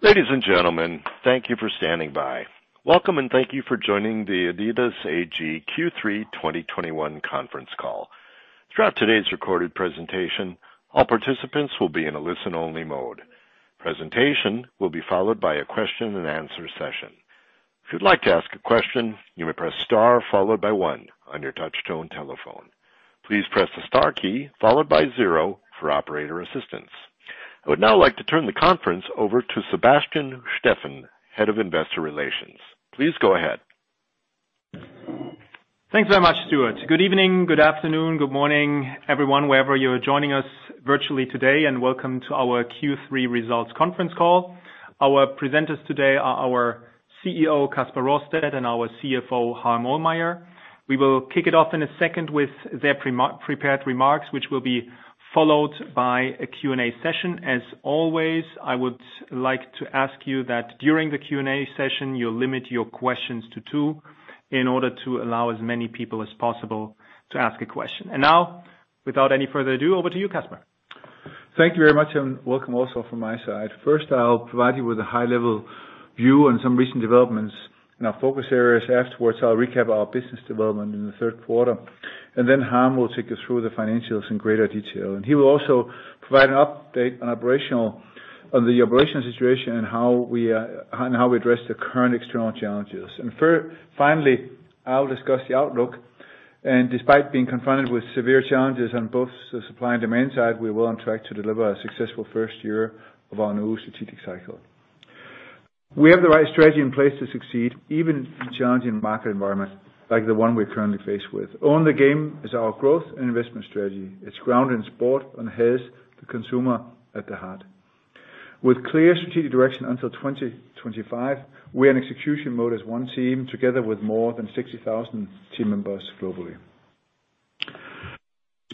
Ladies and gentlemen, thank you for standing by. Welcome, and thank you for joining the adidas AG Q3 2021 conference call. Throughout today's recorded presentation, all participants will be in a listen-only mode. Presentation will be followed by a question and answer session. If you'd like to ask a question, you may press star followed by one on your touchtone telephone. Please press the star key followed by zero for operator assistance. I would now like to turn the conference over to Sebastian Steffen, Head of Investor Relations. Please go ahead. Thanks very much, Stewart. Good evening, good afternoon, good morning, everyone, wherever you are joining us virtually today, and welcome to our Q3 results conference call. Our presenters today are our CEO, Kasper Rorsted, and our CFO, Harm Ohlmeyer. We will kick it off in a second with their pre-prepared remarks, which will be followed by a Q&A session. As always, I would like to ask you that during the Q&A session, you limit your questions to two in order to allow as many people as possible to ask a question. Now, without any further ado, over to you, Kasper. Thank you very much, and welcome also from my side. First, I'll provide you with a high-level view on some recent developments in our focus areas. Afterwards, I'll recap our business development in the third quarter, and then Harm will take you through the financials in greater detail. He will also provide an update on the operational situation and how we address the current external challenges. Finally, I'll discuss the outlook. Despite being confronted with severe challenges on both the supply and demand side, we're well on track to deliver a successful first year of our new strategic cycle. We have the right strategy in place to succeed, even in challenging market environment like the one we're currently faced with. Own the Game is our growth and investment strategy. It's grounded in sport and has the consumer at the heart. With clear strategic direction until 2025, we're in execution mode as one team together with more than 60,000 team members globally.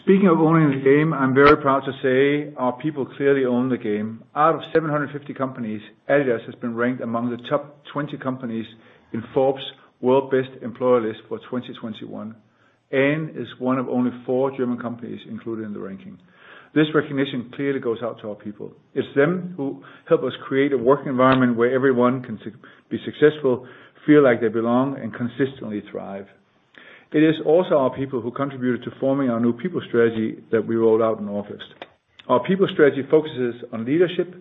Speaking of Own the Game, I'm very proud to say our people clearly own the game. Out of 750 companies, adidas has been ranked among the top 20 companies in Forbes' World's Best Employers list for 2021, and is one of only four German companies included in the ranking. This recognition clearly goes out to our people. It's them who help us create a work environment where everyone can successful, feel like they belong, and consistently thrive. It is also our people who contributed to forming our new people strategy that we rolled out in August. Our people strategy focuses on leadership,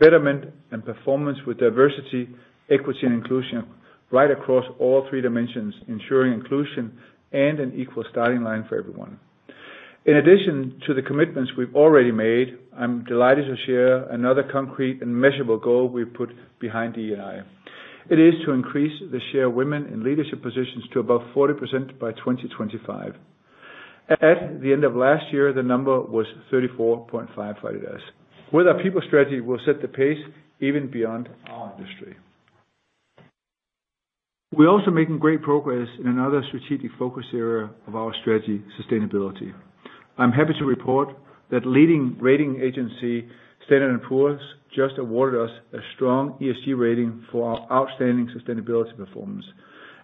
betterment, and performance with diversity, equity, and inclusion right across all three dimensions, ensuring inclusion and an equal starting line for everyone. In addition to the commitments we've already made, I'm delighted to share another concrete and measurable goal we put behind DE&I. It is to increase the share of women in leadership positions to above 40% by 2025. At the end of last year, the number was 34.5 for adidas. With our people strategy, we'll set the pace even beyond our industry. We're also making great progress in another strategic focus area of our strategy, sustainability. I'm happy to report that leading rating agency, Standard & Poor's, just awarded us a strong ESG rating for our outstanding sustainability performance.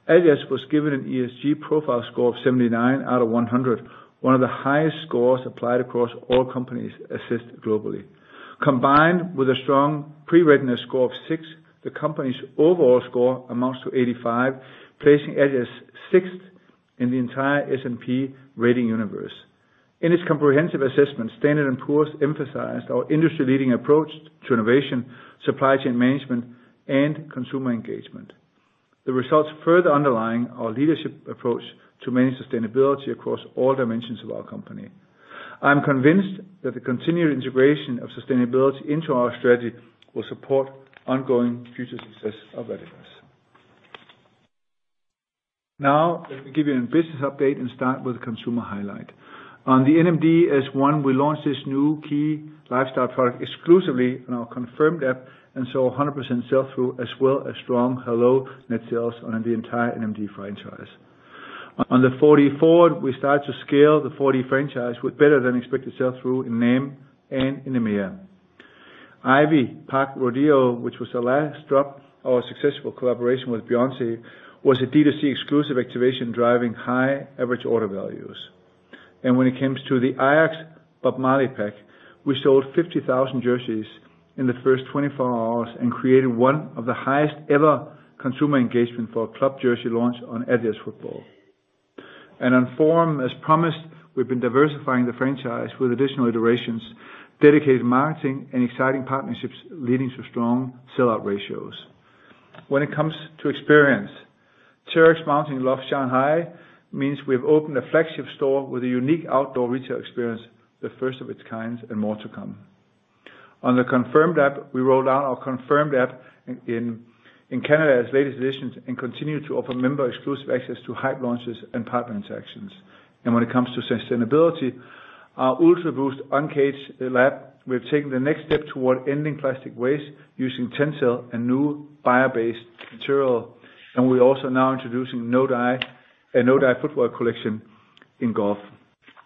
adidas was given an ESG profile score of 79 out of 100, one of the highest scores applied across all companies assessed globally. Combined with a strong pre-rating score of 6, the company's overall score amounts to 85, placing adidas sixth in the entire S&P rating universe. In its comprehensive assessment, Standard & Poor's emphasized our industry-leading approach to innovation, supply chain management, and consumer engagement. The results further underlie our leadership approach to manage sustainability across all dimensions of our company. I'm convinced that the continued integration of sustainability into our strategy will support ongoing future success of adidas. Now, let me give you a business update and start with the consumer highlight. On the NMD_S1, we launched this new key lifestyle product exclusively on our CONFIRMED app and saw a 100% sell-through as well as strong halo net sales on the entire NMD franchise. On the 4DFWD, we started to scale the 4DFWD franchise with better than expected sell-through in NAM and in EMEA. IVY PARK Rodeo, which was the last drop of our successful collaboration with Beyoncé, was a D2C-exclusive activation, driving high average order values. When it comes to the Ajax Bob Marley pack, we sold 50,000 jerseys in the first 24 hours and created one of the highest ever consumer engagement for a club jersey launch on adidas Football. On Forum, as promised, we've been diversifying the franchise with additional iterations, dedicated marketing, and exciting partnerships leading to strong sell-out ratios. When it comes to experience, Terrex Mountain Loft Shanghai means we've opened a flagship store with a unique outdoor retail experience, the first of its kind and more to come. On the CONFIRMED app, we rolled out our CONFIRMED app in Canada as latest editions and continue to offer member exclusive access to hype launches and partner interactions. When it comes to sustainability, our UltraBoost Uncaged LAB, we've taken the next step toward ending plastic waste using TENCEL and new bio-based material. We're also now introducing No-Dye, a No-Dye footwear collection in golf.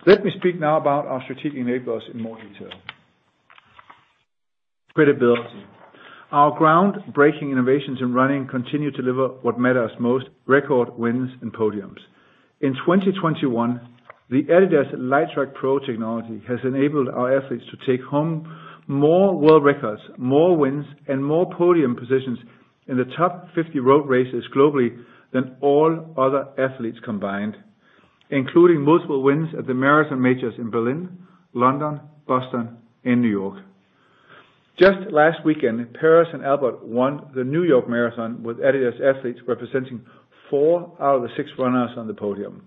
Let me speak now about our strategic enablers in more detail. Credibility. Our ground-breaking innovations in running continue to deliver what matters most, record wins and podiums. In 2021, the adidas Lightstrike Pro technology has enabled our athletes to take home more world records, more wins, and more podium positions in the top 50 road races globally than all other athletes combined, including multiple wins at the Marathon Majors in Berlin, London, Boston, and New York. Just last weekend, Peres and Albert won the New York Marathon with adidas athletes representing four out of the six runners on the podium.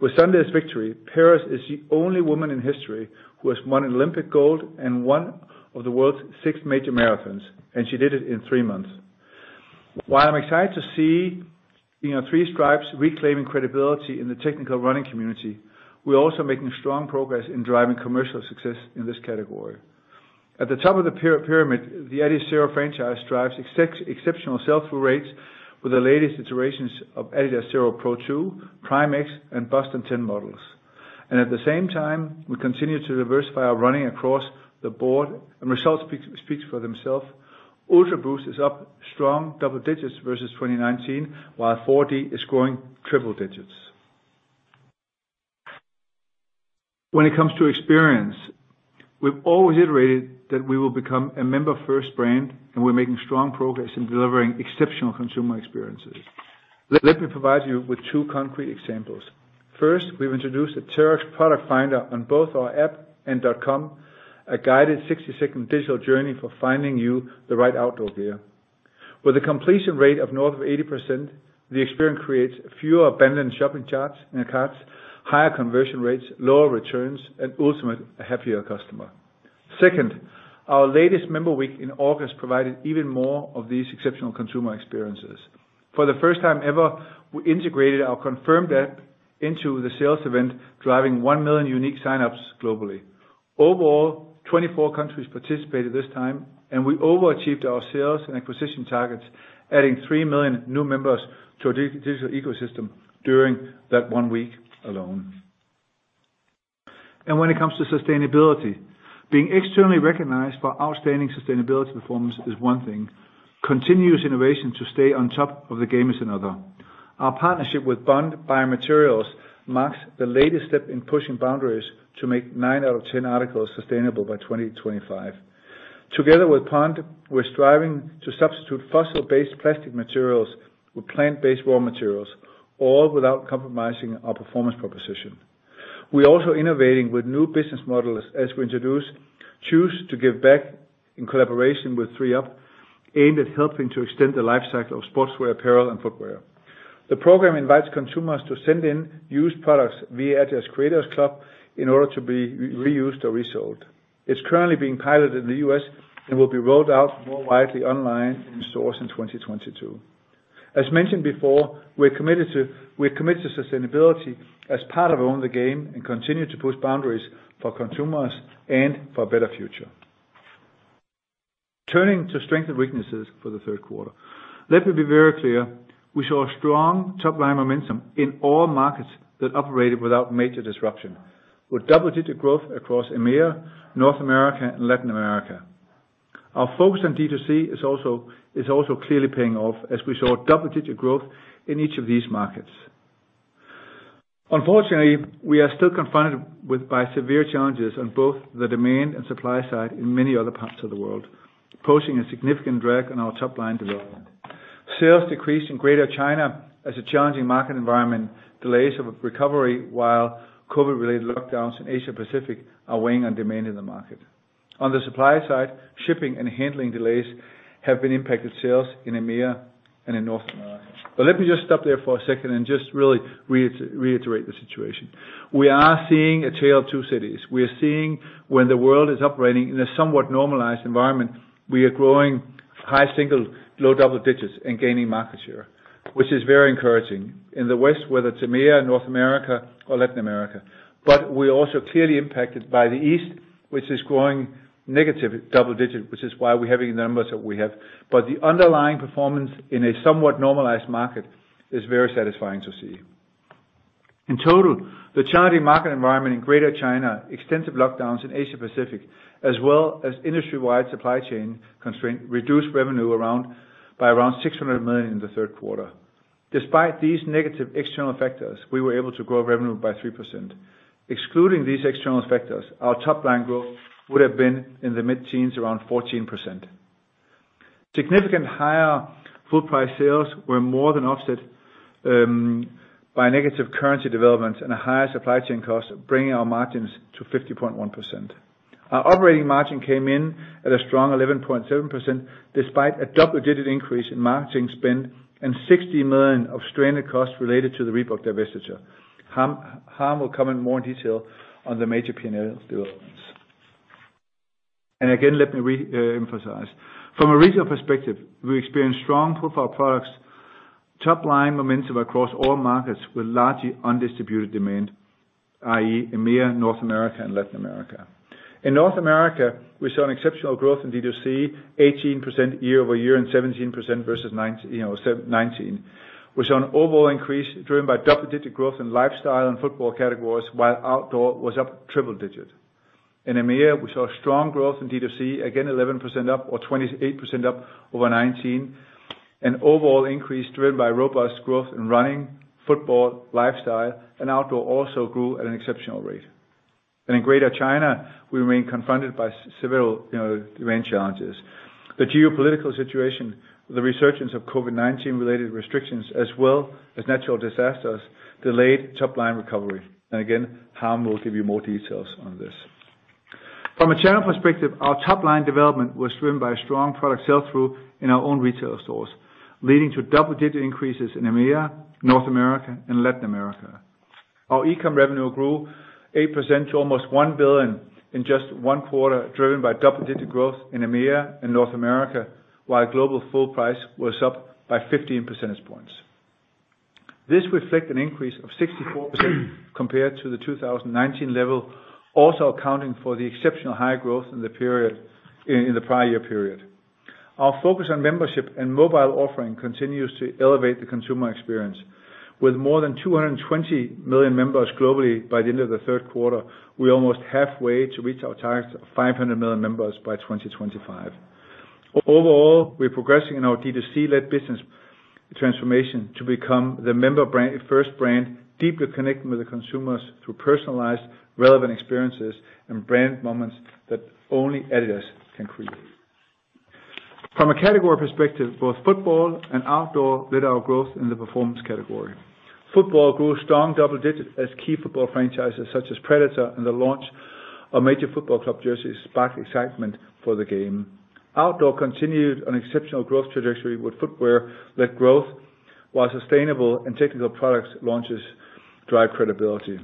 With Sunday's victory, Peres is the only woman in history who has won an Olympic gold and one of the world's six major marathons, and she did it in three months. While I'm excited to see, you know, three stripes reclaiming credibility in the technical running community, we're also making strong progress in driving commercial success in this category. At the top of the pyramid, the Adizero franchise drives exceptional sell-through rates with the latest iterations of Adizero Adios Pro 2, Prime X, and Adizero Boston 10 models. At the same time, we continue to diversify our running across the board, and results speaks for themselves. Ultraboost is up strong double digits versus 2019, while Forum is growing triple digits. When it comes to experience, we've always iterated that we will become a member-first brand, and we're making strong progress in delivering exceptional consumer experiences. Let me provide you with two concrete examples. First, we've introduced a Terrex product finder on both our app and .com, a guided 60-second digital journey for finding you the right outdoor gear. With a completion rate of north of 80%, the experience creates fewer abandoned shopping carts, you know, higher conversion rates, lower returns, and ultimately, a happier customer. Second, our latest member week in August provided even more of these exceptional consumer experiences. For the first time ever, we integrated our CONFIRMED app into the sales event, driving 1 million unique sign-ups globally. Overall, 24 countries participated this time, and we overachieved our sales and acquisition targets, adding 3 million new members to our digital ecosystem during that one week alone. When it comes to sustainability, being externally recognized for outstanding sustainability performance is one thing. Continuous innovation to stay on top of the game is another. Our partnership with Bolt Threads marks the latest step in pushing boundaries to make nine out of 10 articles sustainable by 2025. Together with Bolt Threads, we're striving to substitute fossil-based plastic materials with plant-based raw materials, all without compromising our performance proposition. We're also innovating with new business models as we introduce Choose to Give Back in collaboration with thredUP, aimed at helping to extend the life cycle of sportswear, apparel, and footwear. The program invites consumers to send in used products via adidas Creators Club in order to be reused or resold. It's currently being piloted in the US and will be rolled out more widely online in stores in 2022. As mentioned before, we're committed to sustainability as part of Own the Game and continue to push boundaries for consumers and for a better future. Turning to strengths and weaknesses for the third quarter, let me be very clear. We saw strong top line momentum in all markets that operated without major disruption, with double-digit growth across EMEA, North America, and Latin America. Our focus on D2C is also clearly paying off as we saw double-digit growth in each of these markets. Unfortunately, we are still confronted by severe challenges on both the demand and supply side in many other parts of the world, posing a significant drag on our top line development. Sales decreased in Greater China as a challenging market environment delayed the recovery while COVID-related lockdowns in Asia Pacific are weighing on demand in the market. On the supply side, shipping and handling delays have impacted sales in EMEA and in North America. Let me just stop there for a second and just really reiterate the situation. We are seeing a tale of two cities. We are seeing when the world is operating in a somewhat normalized environment, we are growing high single digits, low double digits and gaining market share, which is very encouraging in the West, whether it's EMEA, North America or Latin America. We're also clearly impacted by the East, which is growing negative double digits, which is why we're having the numbers that we have. The underlying performance in a somewhat normalized market is very satisfying to see. In total, the challenging market environment in Greater China, extensive lockdowns in Asia Pacific, as well as industry-wide supply chain constraint, reduced revenue by around 600 million in the third quarter. Despite these negative external factors, we were able to grow revenue by 3%. Excluding these external factors, our top line growth would have been in the mid-teens, around 14%. Significantly higher full price sales were more than offset by negative currency developments and a higher supply chain cost, bringing our margins to 50.1%. Our operating margin came in at a strong 11.7% despite a double-digit increase in marketing spend and 60 million of stranded costs related to the Reebok divestiture. Harm will cover more in detail on the major P&L developments. Let me reemphasize. From a regional perspective, we experienced strong full-price products, top-line momentum across all markets with largely unmet demand, i.e., EMEA, North America, and Latin America. In North America, we saw exceptional growth in D2C, 18% year-over-year and 17% versus 2019, you know. We saw an overall increase driven by double-digit growth in lifestyle and football categories, while outdoor was up triple-digit. In EMEA, we saw strong growth in D2C, again 11% up or 28% up over 2019. An overall increase driven by robust growth in running, football, lifestyle, and outdoor also grew at an exceptional rate. In Greater China, we remain confronted by several, you know, demand challenges. The geopolitical situation, the resurgence of COVID-19 related restrictions, as well as natural disasters, delayed top-line recovery. Again, Harm will give you more details on this. From a channel perspective, our top line development was driven by strong product sell-through in our own retail stores, leading to double-digit increases in EMEA, North America, and Latin America. Our e-com revenue grew 8% to almost 1 billion in just one quarter, driven by double-digit growth in EMEA and North America, while global full price was up by 15 percentage points. This reflect an increase of 64% compared to the 2019 level, also accounting for the exceptional high growth in the prior year period. Our focus on membership and mobile offering continues to elevate the consumer experience. With more than 220 million members globally by the end of the third quarter, we're almost halfway to reach our target of 500 million members by 2025. Overall, we're progressing in our D2C-led business transformation to become the member-first brand, deeply connecting with the consumers through personalized, relevant experiences and brand moments that only adidas can create. From a category perspective, both football and outdoor led our growth in the performance category. Football grew strong double digits as key football franchises such as Predator and the launch of major football club jerseys sparked excitement for the game. Outdoor continued an exceptional growth trajectory with footwear-led growth, while sustainable and technical products launches drive credibility.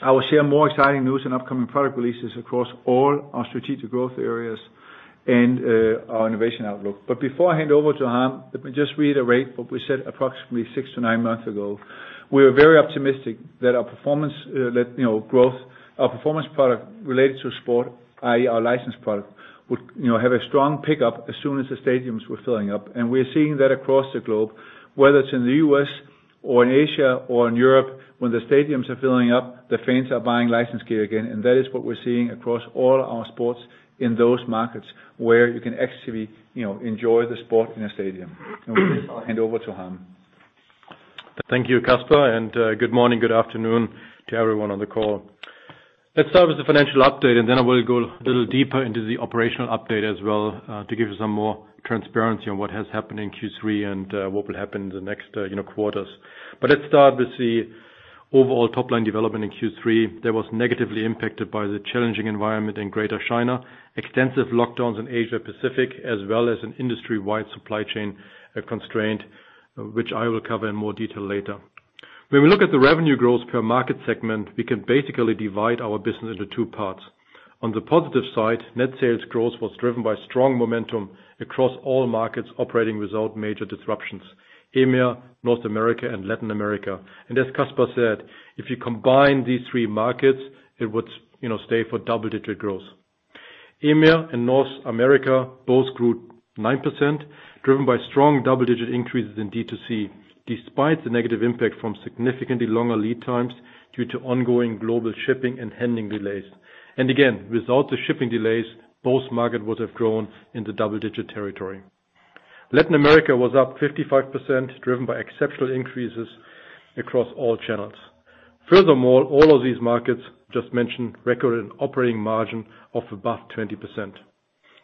I will share more exciting news and upcoming product releases across all our strategic growth areas and our innovation outlook. Before I hand over to Harm, let me just reiterate what we said approximately six to nine months ago. We are very optimistic that our performance product related to sport, i.e., our licensed product, would, you know, have a strong pickup as soon as the stadiums were filling up. We're seeing that across the globe, whether it's in the U.S. or in Asia or in Europe, when the stadiums are filling up, the fans are buying licensed gear again, and that is what we're seeing across all our sports in those markets where you can actually, you know, enjoy the sport in a stadium. With this, I'll hand over to Harm. Thank you, Kasper, and good morning, good afternoon to everyone on the call. Let's start with the financial update, and then I will go a little deeper into the operational update as well, to give you some more transparency on what has happened in Q3 and what will happen in the next, you know, quarters. Let's start with the overall top line development in Q3 that was negatively impacted by the challenging environment in Greater China, extensive lockdowns in Asia-Pacific, as well as an industry-wide supply chain constraint, which I will cover in more detail later. When we look at the revenue growth per market segment, we can basically divide our business into two parts. On the positive side, net sales growth was driven by strong momentum across all markets operating without major disruptions, EMEA, North America, and Latin America. As Kasper said, if you combine these three markets, it would, you know, see double-digit growth. EMEA and North America both grew 9%, driven by strong double-digit increases in D2C despite the negative impact from significantly longer lead times due to ongoing global shipping and handling delays. Without the shipping delays, both markets would have grown in the double-digit territory. Latin America was up 55%, driven by exceptional increases across all channels. Furthermore, all of these markets just mentioned recorded an operating margin of above 20%.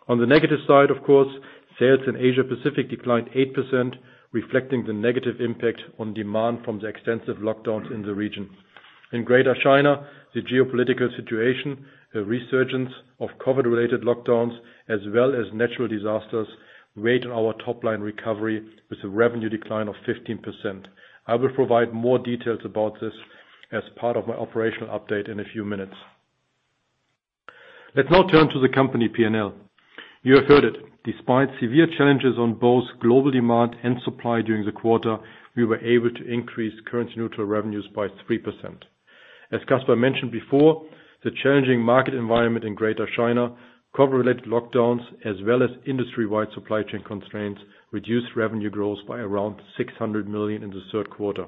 On the negative side, of course, sales in Asia-Pacific declined 8%, reflecting the negative impact on demand from the extensive lockdowns in the region. In Greater China, the geopolitical situation, the resurgence of COVID-related lockdowns, as well as natural disasters, weighed on our top line recovery with a revenue decline of 15%. I will provide more details about this as part of my operational update in a few minutes. Let's now turn to the company P&L. You have heard it. Despite severe challenges on both global demand and supply during the quarter, we were able to increase currency neutral revenues by 3%. As Kasper mentioned before, the challenging market environment in Greater China, COVID-related lockdowns, as well as industry-wide supply chain constraints, reduced revenue growth by around 600 million in the third quarter.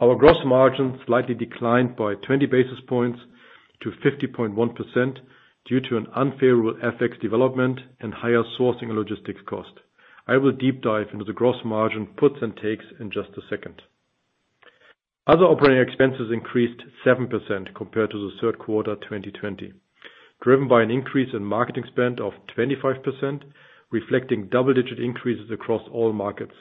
Our gross margin slightly declined by 20 basis points to 50.1% due to an unfavorable FX development and higher sourcing logistics cost. I will deep dive into the gross margin puts and takes in just a second. Other operating expenses increased 7% compared to the third quarter 2020, driven by an increase in marketing spend of 25%, reflecting double-digit increases across all markets.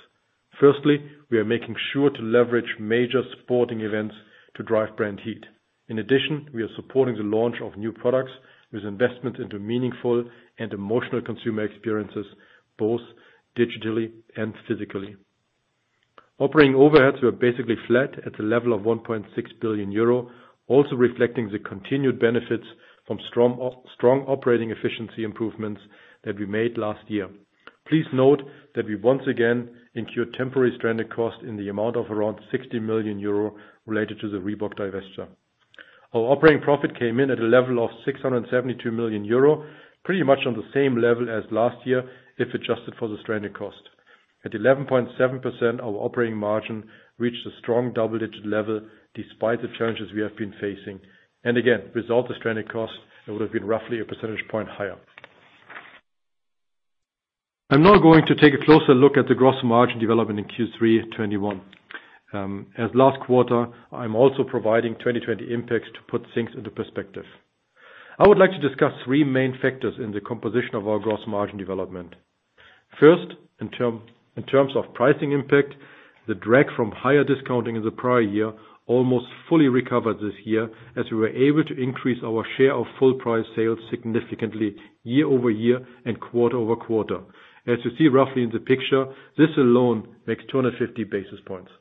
Firstly, we are making sure to leverage major sporting events to drive brand heat. In addition, we are supporting the launch of new products with investment into meaningful and emotional consumer experiences, both digitally and physically. Operating overheads were basically flat at the level of 1.6 billion euro, also reflecting the continued benefits from strong operating efficiency improvements that we made last year. Please note that we once again incurred temporary stranded costs in the amount of around 60 million euro related to the Reebok divestiture. Our operating profit came in at a level of 672 million euro, pretty much on the same level as last year if adjusted for the stranded cost. At 11.7%, our operating margin reached a strong double-digit level despite the challenges we have been facing. Again, without the stranded costs, it would have been roughly a percentage point higher. I'm now going to take a closer look at the gross margin development in Q3 2021. As last quarter, I'm also providing 2020 impacts to put things into perspective. I would like to discuss three main factors in the composition of our gross margin development. First, in terms of pricing impact, the drag from higher discounting in the prior year almost fully recovered this year as we were able to increase our share of full price sales significantly year over year and quarter over quarter. As you see roughly in the picture, this alone makes 250 basis points.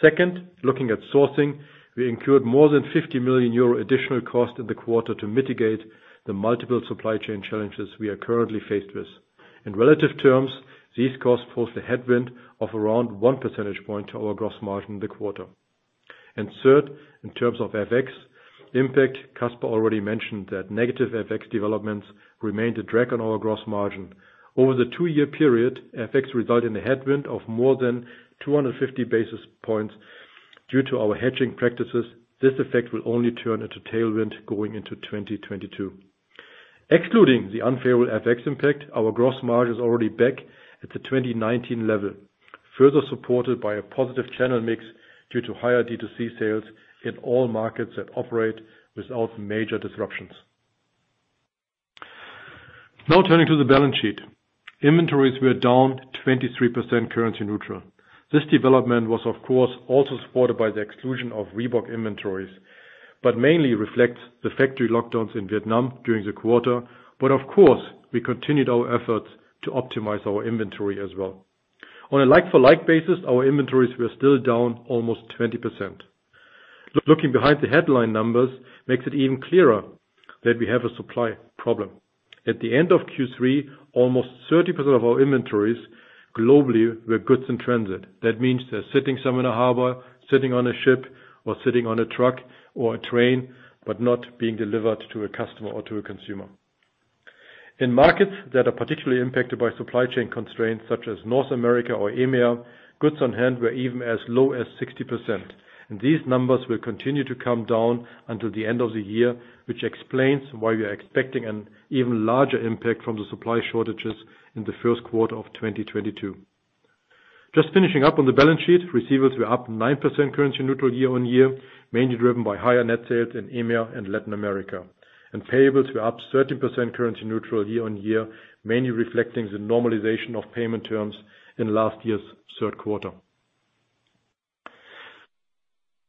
Second, looking at sourcing, we incurred more than 50 million euro additional cost in the quarter to mitigate the multiple supply chain challenges we are currently faced with. In relative terms, these costs pose a headwind of around 1 percentage point to our gross margin in the quarter. Third, in terms of FX impact, Kasper already mentioned that negative FX developments remained a drag on our gross margin. Over the two-year period, FX result in a headwind of more than 250 basis points due to our hedging practices. This effect will only turn into tailwind going into 2022. Excluding the unfavorable FX impact, our gross margin is already back at the 2019 level, further supported by a positive channel mix due to higher D2C sales in all markets that operate without major disruptions. Now turning to the balance sheet. Inventories were down 23% currency neutral. This development was of course, also supported by the exclusion of Reebok inventories, but mainly reflects the factory lockdowns in Vietnam during the quarter. Of course, we continued our efforts to optimize our inventory as well. On a like-for-like basis, our inventories were still down almost 20%. Looking behind the headline numbers makes it even clearer that we have a supply problem. At the end of Q3, almost 30% of our inventories globally were goods in transit. That means they're sitting somewhere in a harbor, sitting on a ship or sitting on a truck or a train, but not being delivered to a customer or to a consumer. In markets that are particularly impacted by supply chain constraints such as North America or EMEA, goods on hand were even as low as 60%. These numbers will continue to come down until the end of the year, which explains why we are expecting an even larger impact from the supply shortages in the first quarter of 2022. Just finishing up on the balance sheet, receivables were up 9% currency neutral year-on-year, mainly driven by higher net sales in EMEA and Latin America. Payables were up 13% currency neutral year-on-year, mainly reflecting the normalization of payment terms in last year's third quarter.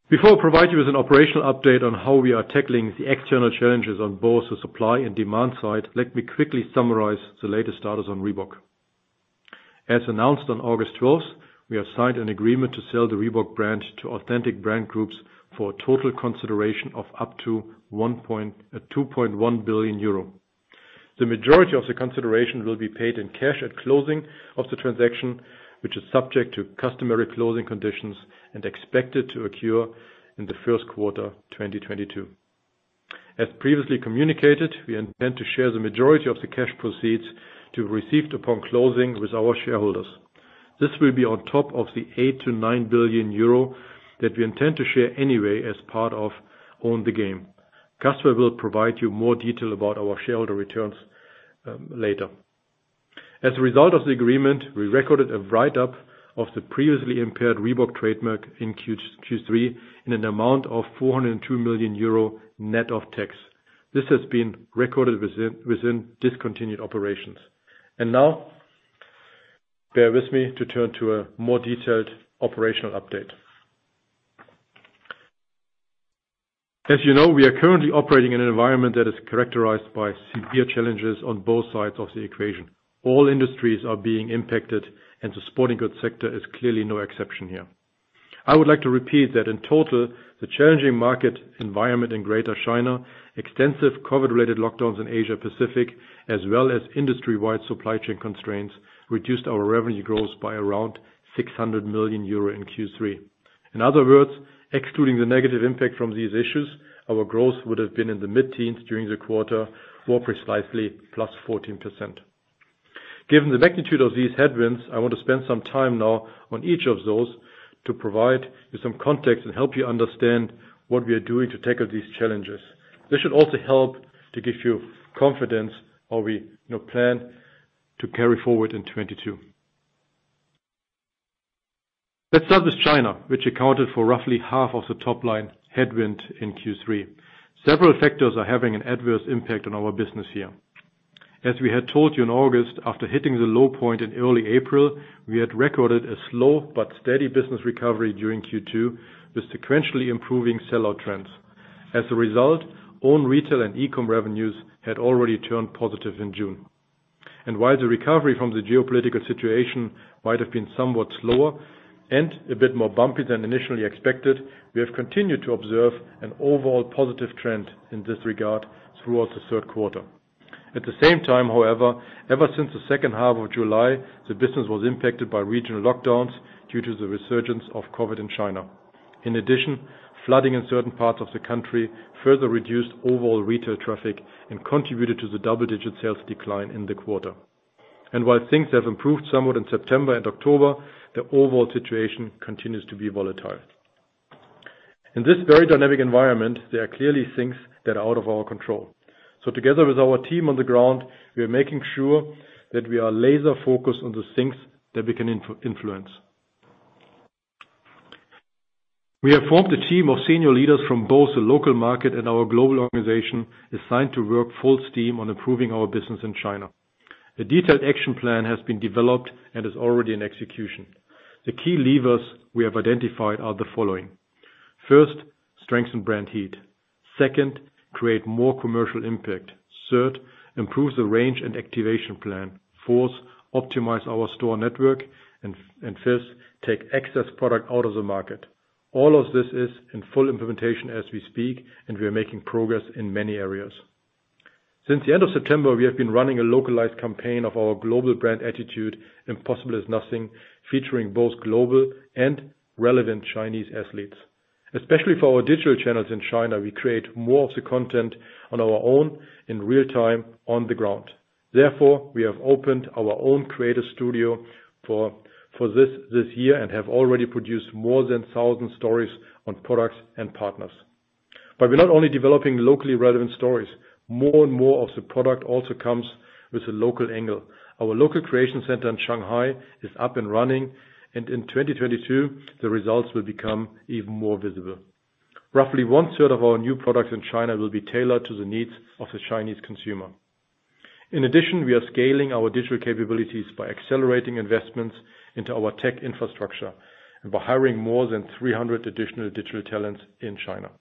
Before I provide you with an operational update on how we are tackling the external challenges on both the supply and demand side, let me quickly summarize the latest status on Reebok. As announced on August 12, we have signed an agreement to sell the Reebok brand to Authentic Brands Group for a total consideration of up to 2.1 billion euro. The majority of the consideration will be paid in cash at closing of the transaction, which is subject to customary closing conditions and expected to occur in the first quarter 2022. As previously communicated, we intend to share the majority of the cash proceeds to be received upon closing with our shareholders. This will be on top of the 8 billion-9 billion euro that we intend to share anyway as part of Own the Game. Kasper will provide you more detail about our shareholder returns later. As a result of the agreement, we recorded a write-up of the previously impaired Reebok trademark in Q3 in an amount of 402 million euro net of tax. This has been recorded within discontinued operations. Now bear with me to turn to a more detailed operational update. As you know, we are currently operating in an environment that is characterized by severe challenges on both sides of the equation. All industries are being impacted, and the sporting goods sector is clearly no exception here. I would like to repeat that in total, the challenging market environment in Greater China, extensive COVID-related lockdowns in Asia-Pacific, as well as industry-wide supply chain constraints, reduced our revenue growth by around 600 million euro in Q3. In other words, excluding the negative impact from these issues, our growth would have been in the mid-teens during the quarter, more precisely +14%. Given the magnitude of these headwinds, I want to spend some time now on each of those to provide you some context and help you understand what we are doing to tackle these challenges. This should also help to give you confidence how we, you know, plan to carry forward in 2022. Let's start with China, which accounted for roughly half of the top line headwind in Q3. Several factors are having an adverse impact on our business here. As we had told you in August, after hitting the low point in early April, we had recorded a slow but steady business recovery during Q2 with sequentially improving sell-out trends. As a result, own retail and e-com revenues had already turned positive in June. While the recovery from the geopolitical situation might have been somewhat slower and a bit more bumpy than initially expected, we have continued to observe an overall positive trend in this regard throughout the third quarter. At the same time, however, ever since the second half of July, the business was impacted by regional lockdowns due to the resurgence of COVID in China. In addition, flooding in certain parts of the country further reduced overall retail traffic and contributed to the double-digit sales decline in the quarter. While things have improved somewhat in September and October, the overall situation continues to be volatile. In this very dynamic environment, there are clearly things that are out of our control. Together with our team on the ground, we are making sure that we are laser-focused on the things that we can influence. We have formed a team of senior leaders from both the local market and our global organization, assigned to work full steam on improving our business in China. A detailed action plan has been developed and is already in execution. The key levers we have identified are the following. First, strengthen brand heat. Second, create more commercial impact. Third, improve the range and activation plan. Fourth, optimize our store network. Fifth, take excess product out of the market. All of this is in full implementation as we speak, and we are making progress in many areas. Since the end of September, we have been running a localized campaign of our global brand attitude, Impossible is Nothing, featuring both global and relevant Chinese athletes. Especially for our digital channels in China, we create more of the content on our own in real-time on the ground. Therefore, we have opened our own creative studio for this year and have already produced more than 1,000 stories on products and partners. We're not only developing locally relevant stories. More and more of the product also comes with a local angle. Our local creation center in Shanghai is up and running, and in 2022, the results will become even more visible. Roughly one third of our new products in China will be tailored to the needs of the Chinese consumer. In addition, we are scaling our digital capabilities by accelerating investments into our tech infrastructure, and by hiring more than 300 additional digital talents in China.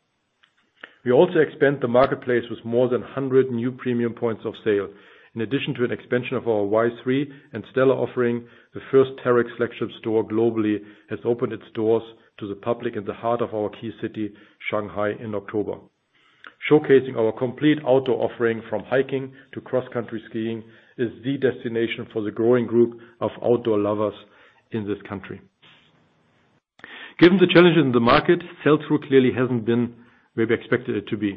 We also expand the marketplace with more than 100 new premium points of sale. In addition to an expansion of our Y-3 and Stella offering, the first Terrex flagship store globally has opened its doors to the public in the heart of our key city, Shanghai, in October. Showcasing our complete outdoor offering from hiking to cross-country skiing is the destination for the growing group of outdoor lovers in this country. Given the challenges in the market, sell-through clearly hasn't been where we expected it to be.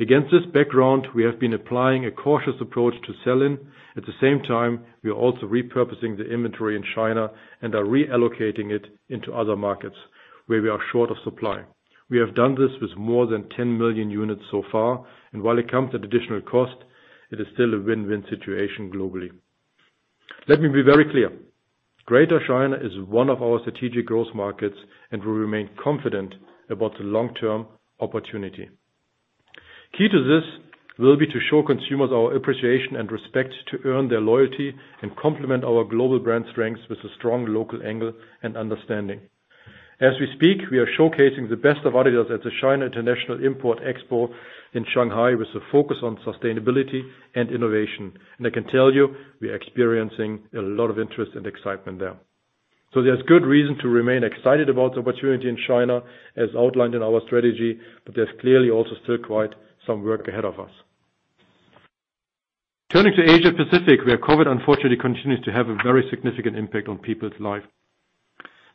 Against this background, we have been applying a cautious approach to sell-in. At the same time, we are also repurposing the inventory in China and are reallocating it into other markets where we are short of supply. We have done this with more than 10 million units so far, and while it comes at additional cost, it is still a win-win situation globally. Let me be very clear. Greater China is one of our strategic growth markets and we remain confident about the long-term opportunity. Key to this will be to show consumers our appreciation and respect to earn their loyalty and complement our global brand strengths with a strong local angle and understanding. As we speak, we are showcasing the best of adidas at the China International Import Expo in Shanghai with a focus on sustainability and innovation. I can tell you, we are experiencing a lot of interest and excitement there. There's good reason to remain excited about the opportunity in China as outlined in our strategy, but there's clearly also still quite some work ahead of us. Turning to Asia-Pacific, where COVID unfortunately continues to have a very significant impact on people's life.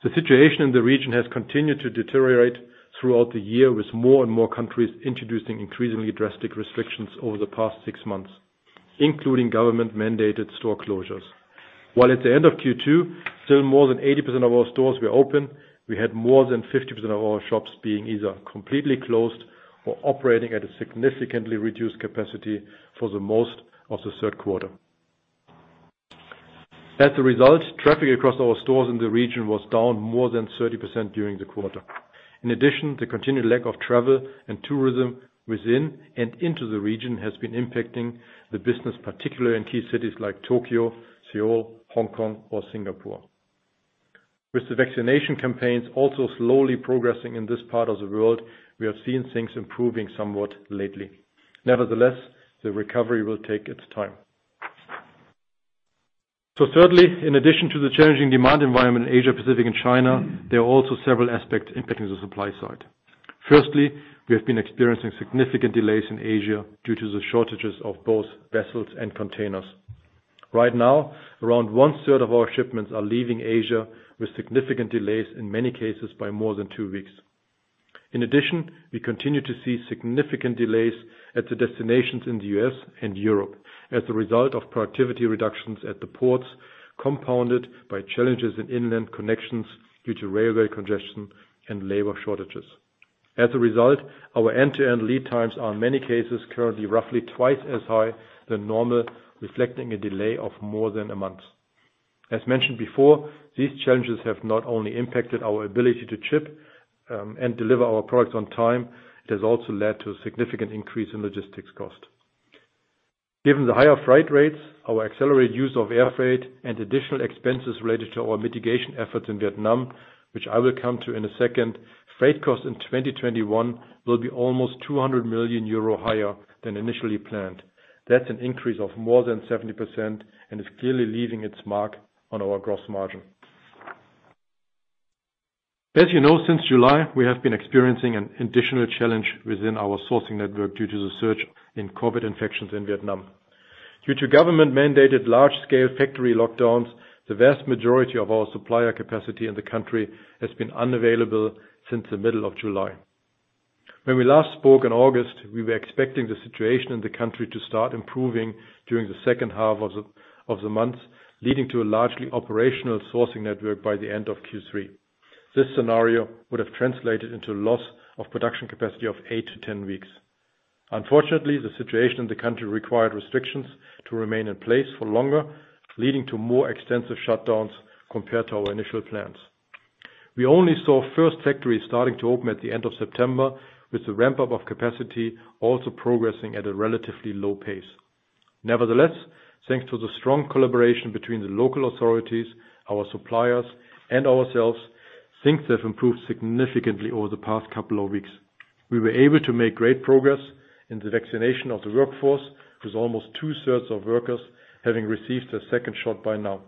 The situation in the region has continued to deteriorate throughout the year with more and more countries introducing increasingly drastic restrictions over the past six months, including government-mandated store closures. While at the end of Q2, still more than 80% of our stores were open, we had more than 50% of our shops being either completely closed or operating at a significantly reduced capacity for most of the third quarter. As a result, traffic across our stores in the region was down more than 30% during the quarter. In addition, the continued lack of travel and tourism within and into the region has been impacting the business, particularly in key cities like Tokyo, Seoul, Hong Kong or Singapore. With the vaccination campaigns also slowly progressing in this part of the world, we have seen things improving somewhat lately. Nevertheless, the recovery will take its time. Thirdly, in addition to the challenging demand environment in Asia-Pacific and China, there are also several aspects impacting the supply side. Firstly, we have been experiencing significant delays in Asia due to the shortages of both vessels and containers. Right now, around one third of our shipments are leaving Asia with significant delays, in many cases by more than two weeks. In addition, we continue to see significant delays at the destinations in the U.S. and Europe as a result of productivity reductions at the ports, compounded by challenges in inland connections due to railway congestion and labor shortages. As a result, our end-to-end lead times are in many cases currently roughly twice as high than normal, reflecting a delay of more than a month. As mentioned before, these challenges have not only impacted our ability to ship and deliver our products on time, it has also led to a significant increase in logistics cost. Given the higher freight rates, our accelerated use of air freight and additional expenses related to our mitigation efforts in Vietnam, which I will come to in a second, freight costs in 2021 will be almost 200 million euro higher than initially planned. That's an increase of more than 70% and is clearly leaving its mark on our gross margin. As you know, since July, we have been experiencing an additional challenge within our sourcing network due to the surge in COVID infections in Vietnam. Due to government mandated large scale factory lockdowns, the vast majority of our supplier capacity in the country has been unavailable since the middle of July. When we last spoke in August, we were expecting the situation in the country to start improving during the second half of the month, leading to a largely operational sourcing network by the end of Q3. This scenario would have translated into loss of production capacity of eight-10 weeks. Unfortunately, the situation in the country required restrictions to remain in place for longer, leading to more extensive shutdowns compared to our initial plans. We only saw first factories starting to open at the end of September, with the ramp up of capacity also progressing at a relatively low pace. Nevertheless, thanks to the strong collaboration between the local authorities, our suppliers and ourselves, things have improved significantly over the past couple of weeks. We were able to make great progress in the vaccination of the workforce, with almost two-thirds of workers having received their second shot by now.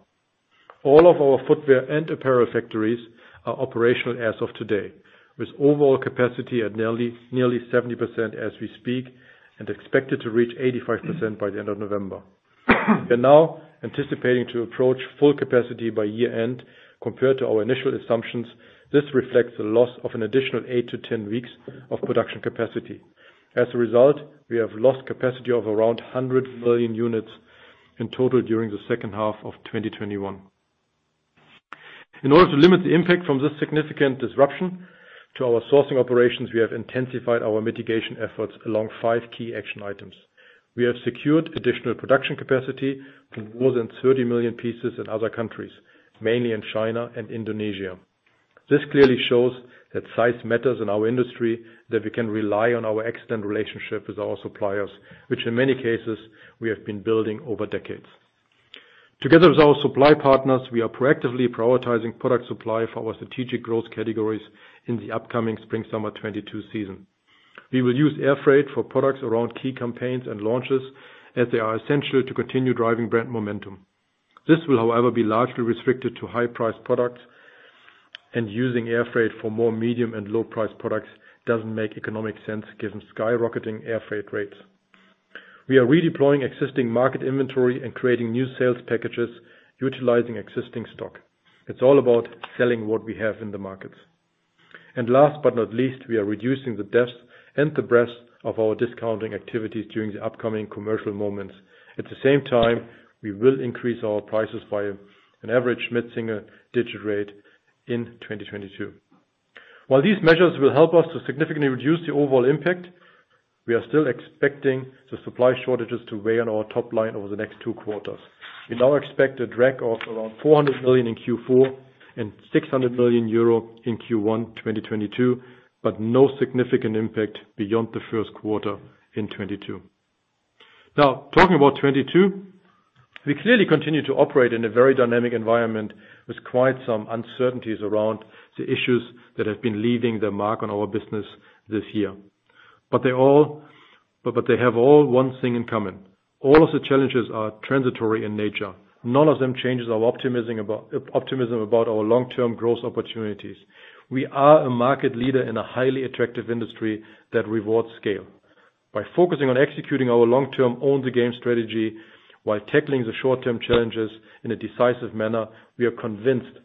All of our footwear and apparel factories are operational as of today, with overall capacity at nearly 70% as we speak, and expected to reach 85% by the end of November. We're now anticipating to approach full capacity by year-end. Compared to our initial assumptions, this reflects the loss of an additional eight-10 weeks of production capacity. As a result, we have lost capacity of around 100 million units in total during the second half of 2021. In order to limit the impact from this significant disruption to our sourcing operations, we have intensified our mitigation efforts along five key action items. We have secured additional production capacity to more than 30 million pieces in other countries, mainly in China and Indonesia. This clearly shows that size matters in our industry, that we can rely on our extant relationship with our suppliers, which in many cases we have been building over decades. Together with our supply partners, we are proactively prioritizing product supply for our strategic growth categories in the upcoming spring/summer 2022 season. We will use air freight for products around key campaigns and launches, as they are essential to continue driving brand momentum. This will, however, be largely restricted to high price products and using air freight for more medium and low price products doesn't make economic sense given skyrocketing air freight rates. We are redeploying existing market inventory and creating new sales packages utilizing existing stock. It's all about selling what we have in the markets. Last but not least, we are reducing the depth and the breadth of our discounting activities during the upcoming commercial moments. At the same time, we will increase our prices by an average mid-single-digit rate in 2022. While these measures will help us to significantly reduce the overall impact, we are still expecting the supply shortages to weigh on our top line over the next two quarters. We now expect a drag of around 400 million in Q4 and 600 million euro in Q1 2022, but no significant impact beyond the first quarter in 2022. Now, talking about 2022, we clearly continue to operate in a very dynamic environment with quite some uncertainties around the issues that have been leaving their mark on our business this year. They have all one thing in common. All of the challenges are transitory in nature. None of them changes our optimism about our long-term growth opportunities. We are a market leader in a highly attractive industry that rewards scale. By focusing on executing our long-term Own the Game strategy while tackling the short-term challenges in a decisive manner, we are convinced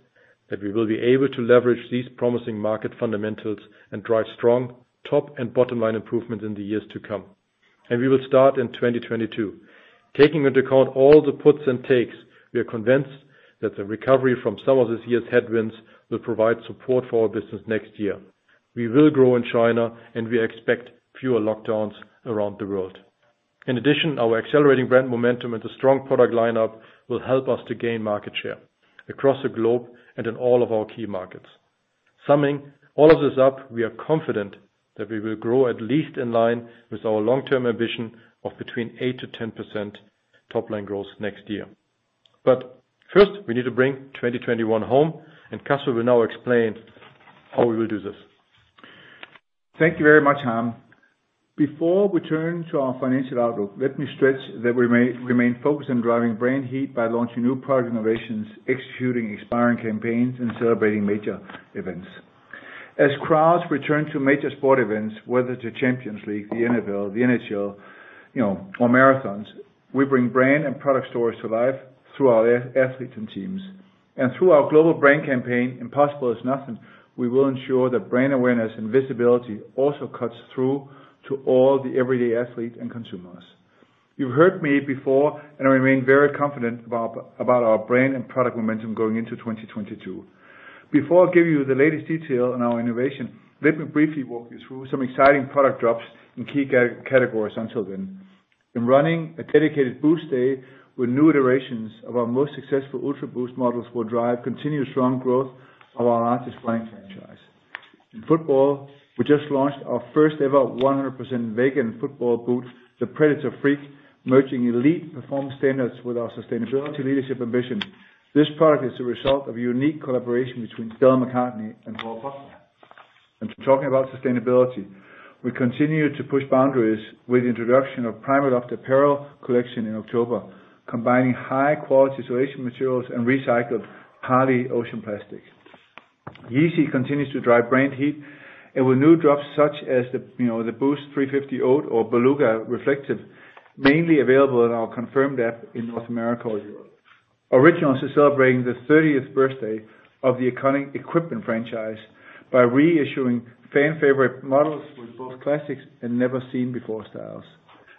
that we will be able to leverage these promising market fundamentals and drive strong top and bottom line improvement in the years to come. We will start in 2022. Taking into account all the puts and takes, we are convinced that the recovery from some of this year's headwinds will provide support for our business next year. We will grow in China, and we expect fewer lockdowns around the world. In addition, our accelerating brand momentum and the strong product lineup will help us to gain market share across the globe and in all of our key markets. Summing all of this up, we are confident that we will grow at least in line with our long-term ambition of between 8%-10% top line growth next year. First, we need to bring 2021 home, and Kasper will now explain how we will do this. Thank you very much, Harm. Before we turn to our financial outlook, let me stress that we remain focused on driving brand heat by launching new product innovations, executing inspiring campaigns, and celebrating major events. As crowds return to major sport events, whether it's the Champions League, the NFL, the NHL, you know, or marathons, we bring brand and product stories to life through our athletes and teams. Through our global brand campaign, Impossible is Nothing, we will ensure that brand awareness and visibility also cuts through to all the everyday athletes and consumers. You've heard me before, and I remain very confident about our brand and product momentum going into 2022. Before I give you the latest detail on our innovation, let me briefly walk you through some exciting product drops in key categories until then. In running a dedicated Boost day with new iterations of our most successful Ultraboost models will drive continuous strong growth of our largest running franchise. In football, we just launched our first ever 100% vegan football boot, the Predator Freak, merging elite performance standards with our sustainability leadership ambition. This product is the result of a unique collaboration between Stella McCartney and Paul Pogba. Talking about sustainability, we continue to push boundaries with the introduction of PrimaLoft apparel collection in October, combining high-quality insulation materials and recycled ocean plastic. Yeezy continues to drive brand heat and with new drops such as, you know, the Boost 350 Oat or Beluga Reflective, mainly available on our CONFIRMED app in North America or Europe. Originals is celebrating the 30th birthday of the iconic equipment franchise by reissuing fan favorite models with both classics and never seen before styles.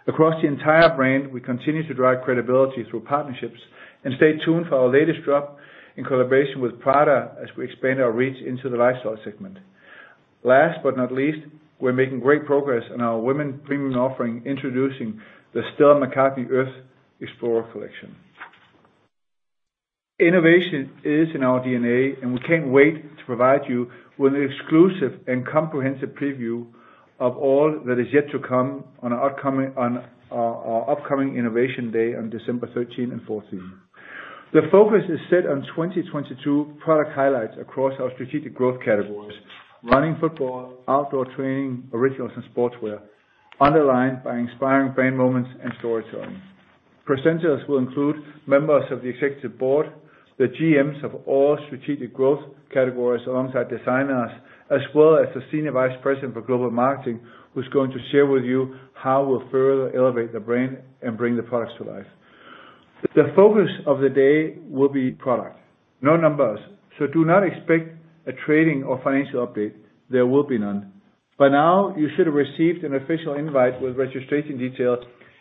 Across the entire brand, we continue to drive credibility through partnerships and stay tuned for our latest drop in collaboration with Prada as we expand our reach into the lifestyle segment. Last but not least, we're making great progress on our women premium offering, introducing the Stella McCartney Earth Explorer collection. Innovation is in our DNA, and we can't wait to provide you with an exclusive and comprehensive preview of all that is yet to come on our upcoming innovation day on December 13 and 14. The focus is set on 2022 product highlights across our strategic growth categories, running, football, outdoor training, Originals, and sportswear, underlined by inspiring brand moments and storytelling. Presenters will include members of the Executive Board, the GMs of all strategic growth categories alongside designers, as well as the Senior Vice President for Global Marketing, who's going to share with you how we'll further elevate the brand and bring the products to life. The focus of the day will be product, no numbers, so do not expect a trading or financial update. There will be none. By now, you should have received an official invite with registration details,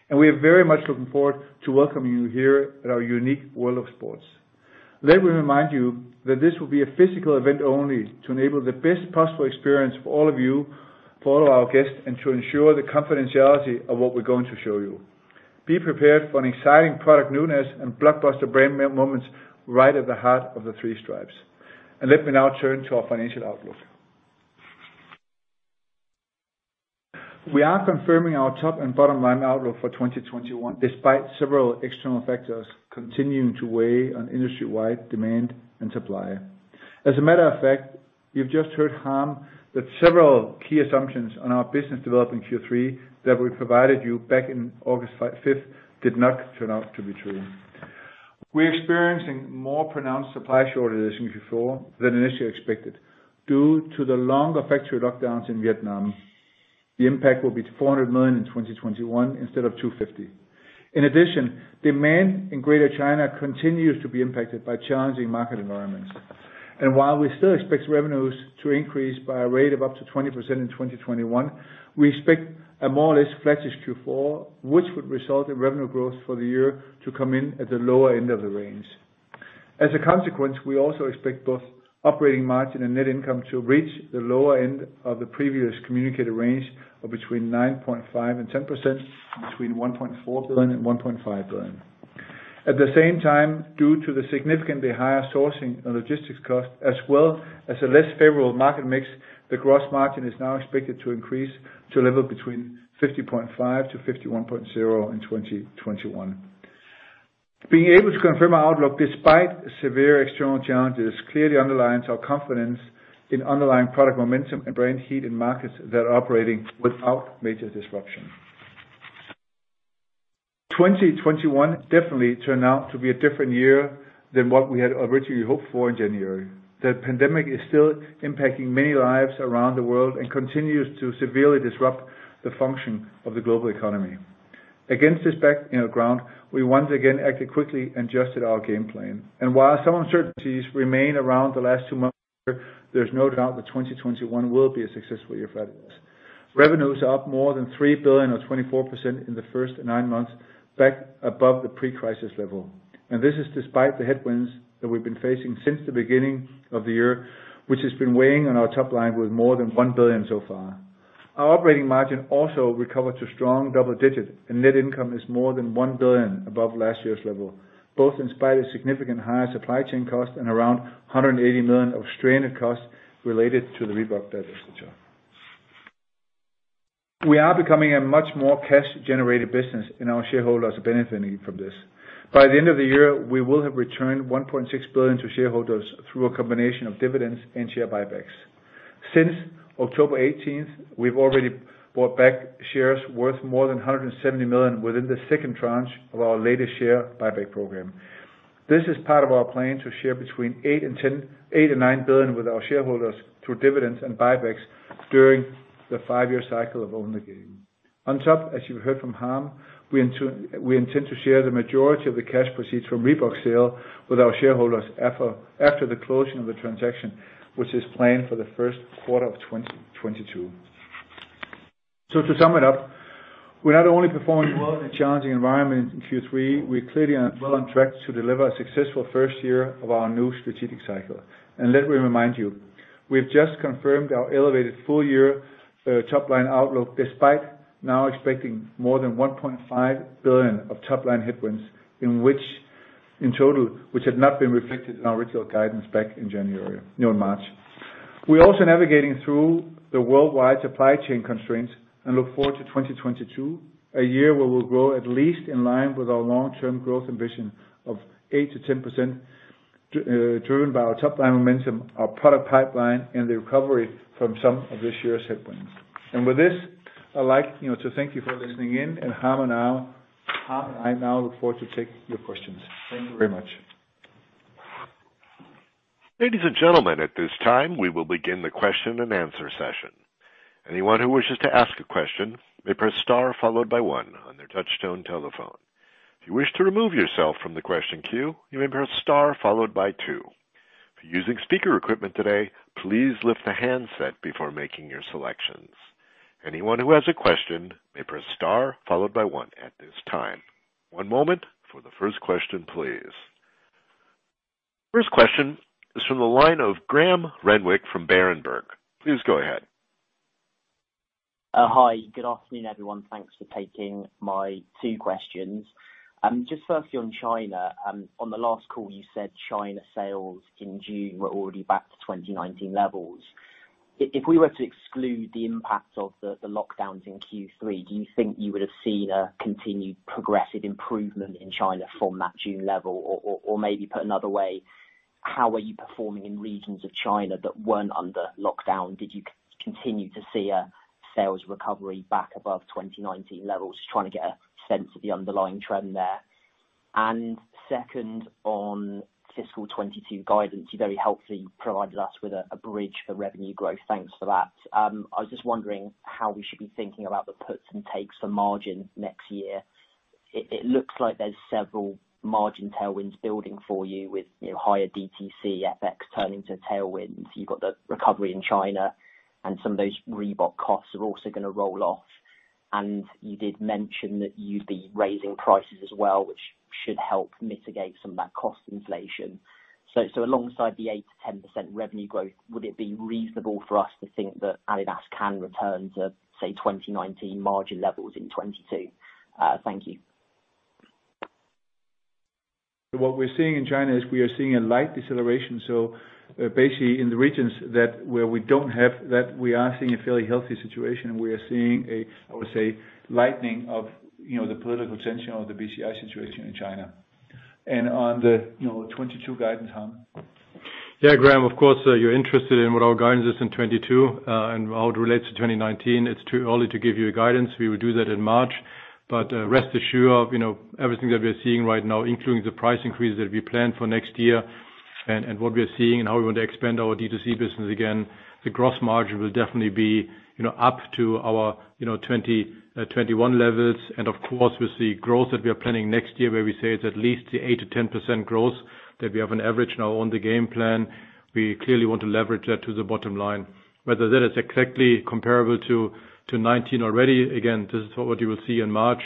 and we are very much looking forward to welcoming you here at our unique world of sports. Let me remind you that this will be a physical event only to enable the best possible experience for all of you, for all of our guests, and to ensure the confidentiality of what we're going to show you. Be prepared for an exciting product newness and blockbuster brand moments right at the heart of the three stripes. Let me now turn to our financial outlook. We are confirming our top and bottom-line outlook for 2021, despite several external factors continuing to weigh on industry-wide demand and supply. As a matter of fact, you've just heard Harm that several key assumptions on our business development Q3 that we provided you back in August fifth did not turn out to be true. We're experiencing more pronounced supply shortages in Q4 than initially expected due to the longer factory lockdowns in Vietnam. The impact will be 400 million in 2021 instead of 250 million. In addition, demand in Greater China continues to be impacted by challenging market environments. While we still expect revenues to increase by a rate of up to 20% in 2021, we expect a more or less flattish Q4, which would result in revenue growth for the year to come in at the lower end of the range. As a consequence, we also expect both operating margin and net income to reach the lower end of the previous communicated range of between 9.5% and 10%, between 1.4 billion and 1.5 billion. At the same time, due to the significantly higher sourcing and logistics cost as well as a less favorable market mix, the gross margin is now expected to increase to a level between 50.5% and 51.0% in 2021. Being able to confirm our outlook despite severe external challenges clearly underlines our confidence in underlying product momentum and brand heat in markets that are operating without major disruption. 2021 definitely turned out to be a different year than what we had originally hoped for in January. The pandemic is still impacting many lives around the world and continues to severely disrupt the function of the global economy. Against this background, you know, we once again acted quickly and adjusted our game plan. While some uncertainties remain around the last two months, there's no doubt that 2021 will be a successful year for adidas. Revenues are up more than 3 billion or 24% in the first nine months, back above the pre-crisis level. This is despite the headwinds that we've been facing since the beginning of the year, which has been weighing on our top line with more than €1 billion so far. Our operating margin also recovered to strong double digits, and net income is more than €1 billion above last year's level, both in spite of significant higher supply chain costs and around €180 million of stranded costs related to the Reebok business. We are becoming a much more cash-generated business, and our shareholders are benefiting from this. By the end of the year, we will have returned €1.6 billion to shareholders through a combination of dividends and share buybacks. Since October 18, we've already bought back shares worth more than €170 million within the second tranche of our latest share buyback program. This is part of our plan to share between 8 billion and 9 billion with our shareholders through dividends and buybacks during the five-year cycle of Own the Game. On top, as you heard from Harm, we intend to share the majority of the cash proceeds from Reebok sale with our shareholders after the closing of the transaction, which is planned for the first quarter of 2022. To sum it up, we not only performed well in a challenging environment in Q3, we're clearly, well, on track to deliver a successful first year of our new strategic cycle. Let me remind you, we've just confirmed our elevated full-year top-line outlook despite now expecting more than 1.5 billion of top-line headwinds, in which, in total, which had not been reflected in our original guidance back in January, no, in March. We're also navigating through the worldwide supply chain constraints and look forward to 2022, a year where we'll grow at least in line with our long-term growth ambition of 8%-10%, driven by our top-line momentum, our product pipeline, and the recovery from some of this year's headwinds. With this, I'd like, you know, to thank you for listening in, and Harm will now. I now look forward to take your questions. Thank you very much. Ladies and gentlemen, at this time, we will begin the question and answer session. Anyone who wishes to ask a question may press star followed by one on their touchtone telephone. If you wish to remove yourself from the question queue, you may press star followed by two. If you're using speakerphone today, please lift the handset before making your selections. Anyone who has a question may press star followed by one at this time. One moment for the first question, please. First question is from the line of Graham Renwick from Berenberg. Please go ahead. Hi. Good afternoon, everyone. Thanks for taking my two questions. Just firstly on China, on the last call, you said China sales in June were already back to 2019 levels. If we were to exclude the impact of the lockdowns in Q3, do you think you would have seen a continued progressive improvement in China from that June level or maybe put another way, how are you performing in regions of China that weren't under lockdown? Did you continue to see a sales recovery back above 2019 levels? Just trying to get a sense of the underlying trend there. Second, on fiscal 2022 guidance, you very helpfully provided us with a bridge for revenue growth. Thanks for that. I was just wondering how we should be thinking about the puts and takes for margin next year. It looks like there's several margin tailwinds building for you with, you know, higher DTC, FX turning to tailwinds. You've got the recovery in China and some of those Reebok costs are also gonna roll off. You did mention that you'd be raising prices as well, which should help mitigate some of that cost inflation. Alongside the 8%-10% revenue growth, would it be reasonable for us to think that adidas can return to, say, 2019 margin levels in 2022? Thank you. What we're seeing in China is we are seeing a light deceleration. Basically in the regions that, where we don't have that, we are seeing a fairly healthy situation. We are seeing a, I would say, lightening of, you know, the political tension or the BCI situation in China. On the, you know, 2022 guidance, Harm? Yeah, Graham, of course, you're interested in what our guidance is in 2022, and how it relates to 2019. It's too early to give you a guidance. We will do that in March. Rest assured, you know, everything that we're seeing right now, including the price increases that we plan for next year and what we're seeing and how we want to expand our D2C business again, the gross margin will definitely be, you know, up to our 2021 levels. Of course with the growth that we are planning next year, where we say it's at least the 8%-10% growth that we have on average now on the game plan, we clearly want to leverage that to the bottom line. Whether that is exactly comparable to 2019 already, again, this is what you will see in March.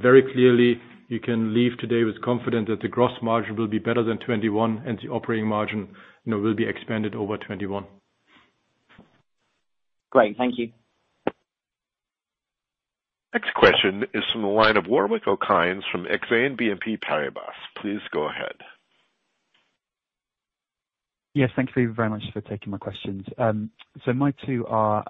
Very clearly, you can leave today with confidence that the gross margin will be better than 2021 and the operating margin, you know, will be expanded over 2021. Great. Thank you. Next question is from the line of Warwick Okines from Exane BNP Paribas. Please go ahead. Yes, thank you very much for taking my questions. My two are,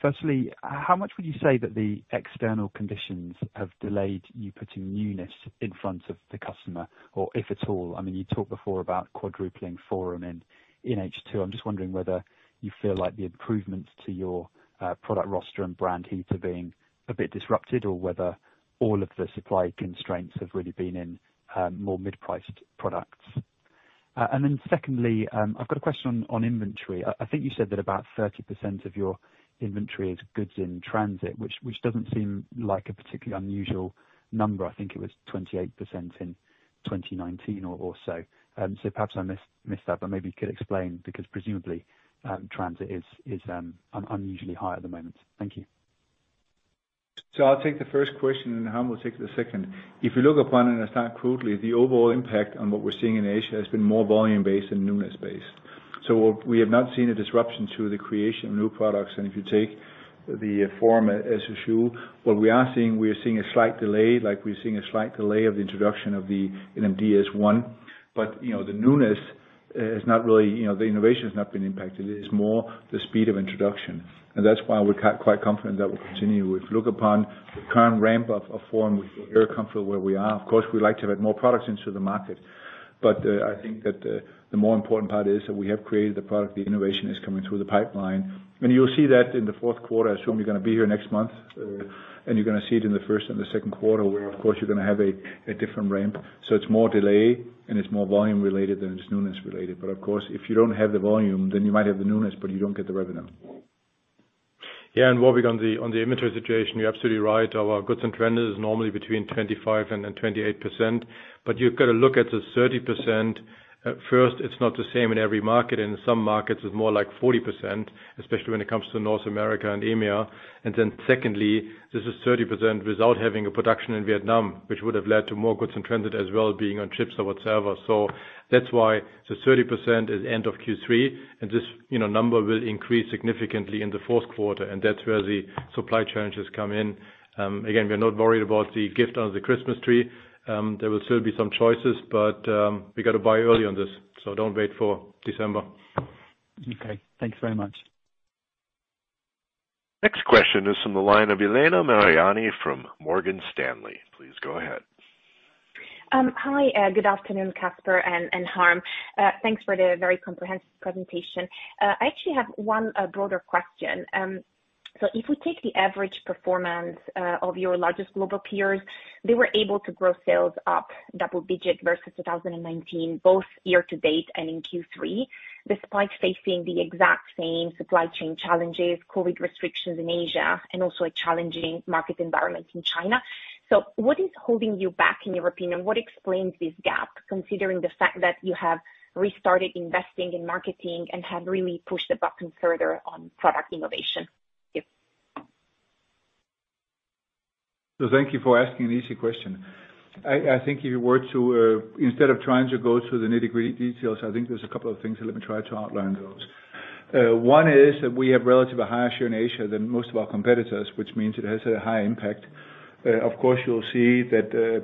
firstly, how much would you say that the external conditions have delayed you putting newness in front of the customer, or if at all? I mean, you talked before about quadrupling Forum in H2. I'm just wondering whether you feel like the improvements to your product roster and brand heat are being a bit disrupted or whether all of the supply constraints have really been in more mid-priced products. Secondly, I've got a question on inventory. I think you said that about 30% of your inventory is goods in transit, which doesn't seem like a particularly unusual number. I think it was 28% in 2019 or so. Perhaps I missed that, but maybe you could explain because presumably transit is unusually high at the moment. Thank you. I'll take the first question, and Harm will take the second. If you look upon it, and it's not crudely, the overall impact on what we're seeing in Asia has been more volume-based and newness-based. We have not seen a disruption to the creation of new products. If you take the Forum as a shoe, what we are seeing a slight delay, like we're seeing a slight delay of the introduction of the NMD S1. But you know, the newness is not really, you know, the innovation has not been impacted. It is more the speed of introduction. That's why we're quite confident that we'll continue. If you look upon the current ramp of Forum, we feel very comfortable where we are. Of course, we'd like to get more products into the market. I think that the more important part is that we have created the product, the innovation is coming through the pipeline. You'll see that in the fourth quarter. I assume you're gonna be here next month, and you're gonna see it in the first and the second quarter, where, of course, you're gonna have a different ramp. It's more delay and it's more volume related than it's newness related. Of course, if you don't have the volume, then you might have the newness, but you don't get the revenue. Yeah, Warwick on the inventory situation, you're absolutely right. Our goods in transit is normally between 25%-28%. You've gotta look at the 30%. At first, it's not the same in every market. In some markets, it's more like 40%, especially when it comes to North America and EMEA. Then secondly, this is 30% without having a production in Vietnam, which would have led to more goods in transit as well being on ships or whatsoever. That's why the 30% is end of Q3, and this, you know, number will increase significantly in the fourth quarter, and that's where the supply challenges come in. Again, we're not worried about the gift under the Christmas tree. There will still be some choices, but we gotta buy early on this, so don't wait for December. Okay. Thank you very much. Next question is from the line of Elena Mariani from Morgan Stanley. Please go ahead. Hi, good afternoon, Kasper and Harm. Thanks for the very comprehensive presentation. I actually have one broader question. If we take the average performance of your largest global peers, they were able to grow sales up double digits versus 2019, both year to date and in Q3, despite facing the exact same supply chain challenges, COVID restrictions in Asia, and also a challenging market environment in China. What is holding you back, in your opinion? What explains this gap, considering the fact that you have restarted investing in marketing and have really pushed the button further on product innovation? Thank you. Thank you for asking an easy question. I think if you were to, instead of trying to go through the nitty-gritty details, I think there's a couple of things, so let me try to outline those. One is that we have relatively higher share in Asia than most of our competitors, which means it has a high impact. Of course, you'll see that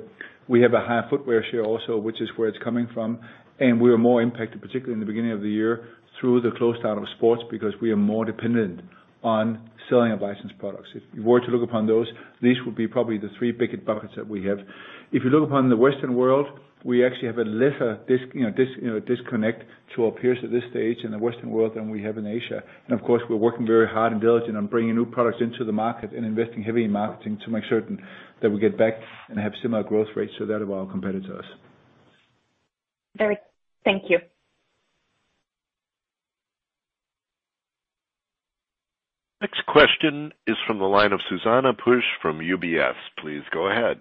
we have a high footwear share also, which is where it's coming from, and we are more impacted, particularly in the beginning of the year through the closeout of sports because we are more dependent on selling our licensed products. If you were to look at those, these would probably be the three biggest buckets that we have. If you look upon the Western world, we actually have a lesser disconnect to our peers at this stage in the Western world than we have in Asia. Of course, we're working very hard and diligent on bringing new products into the market and investing heavily in marketing to make certain that we get back and have similar growth rates to that of our competitors. Thank you. Next question is from the line of Zuzanna Pusz from UBS. Please go ahead.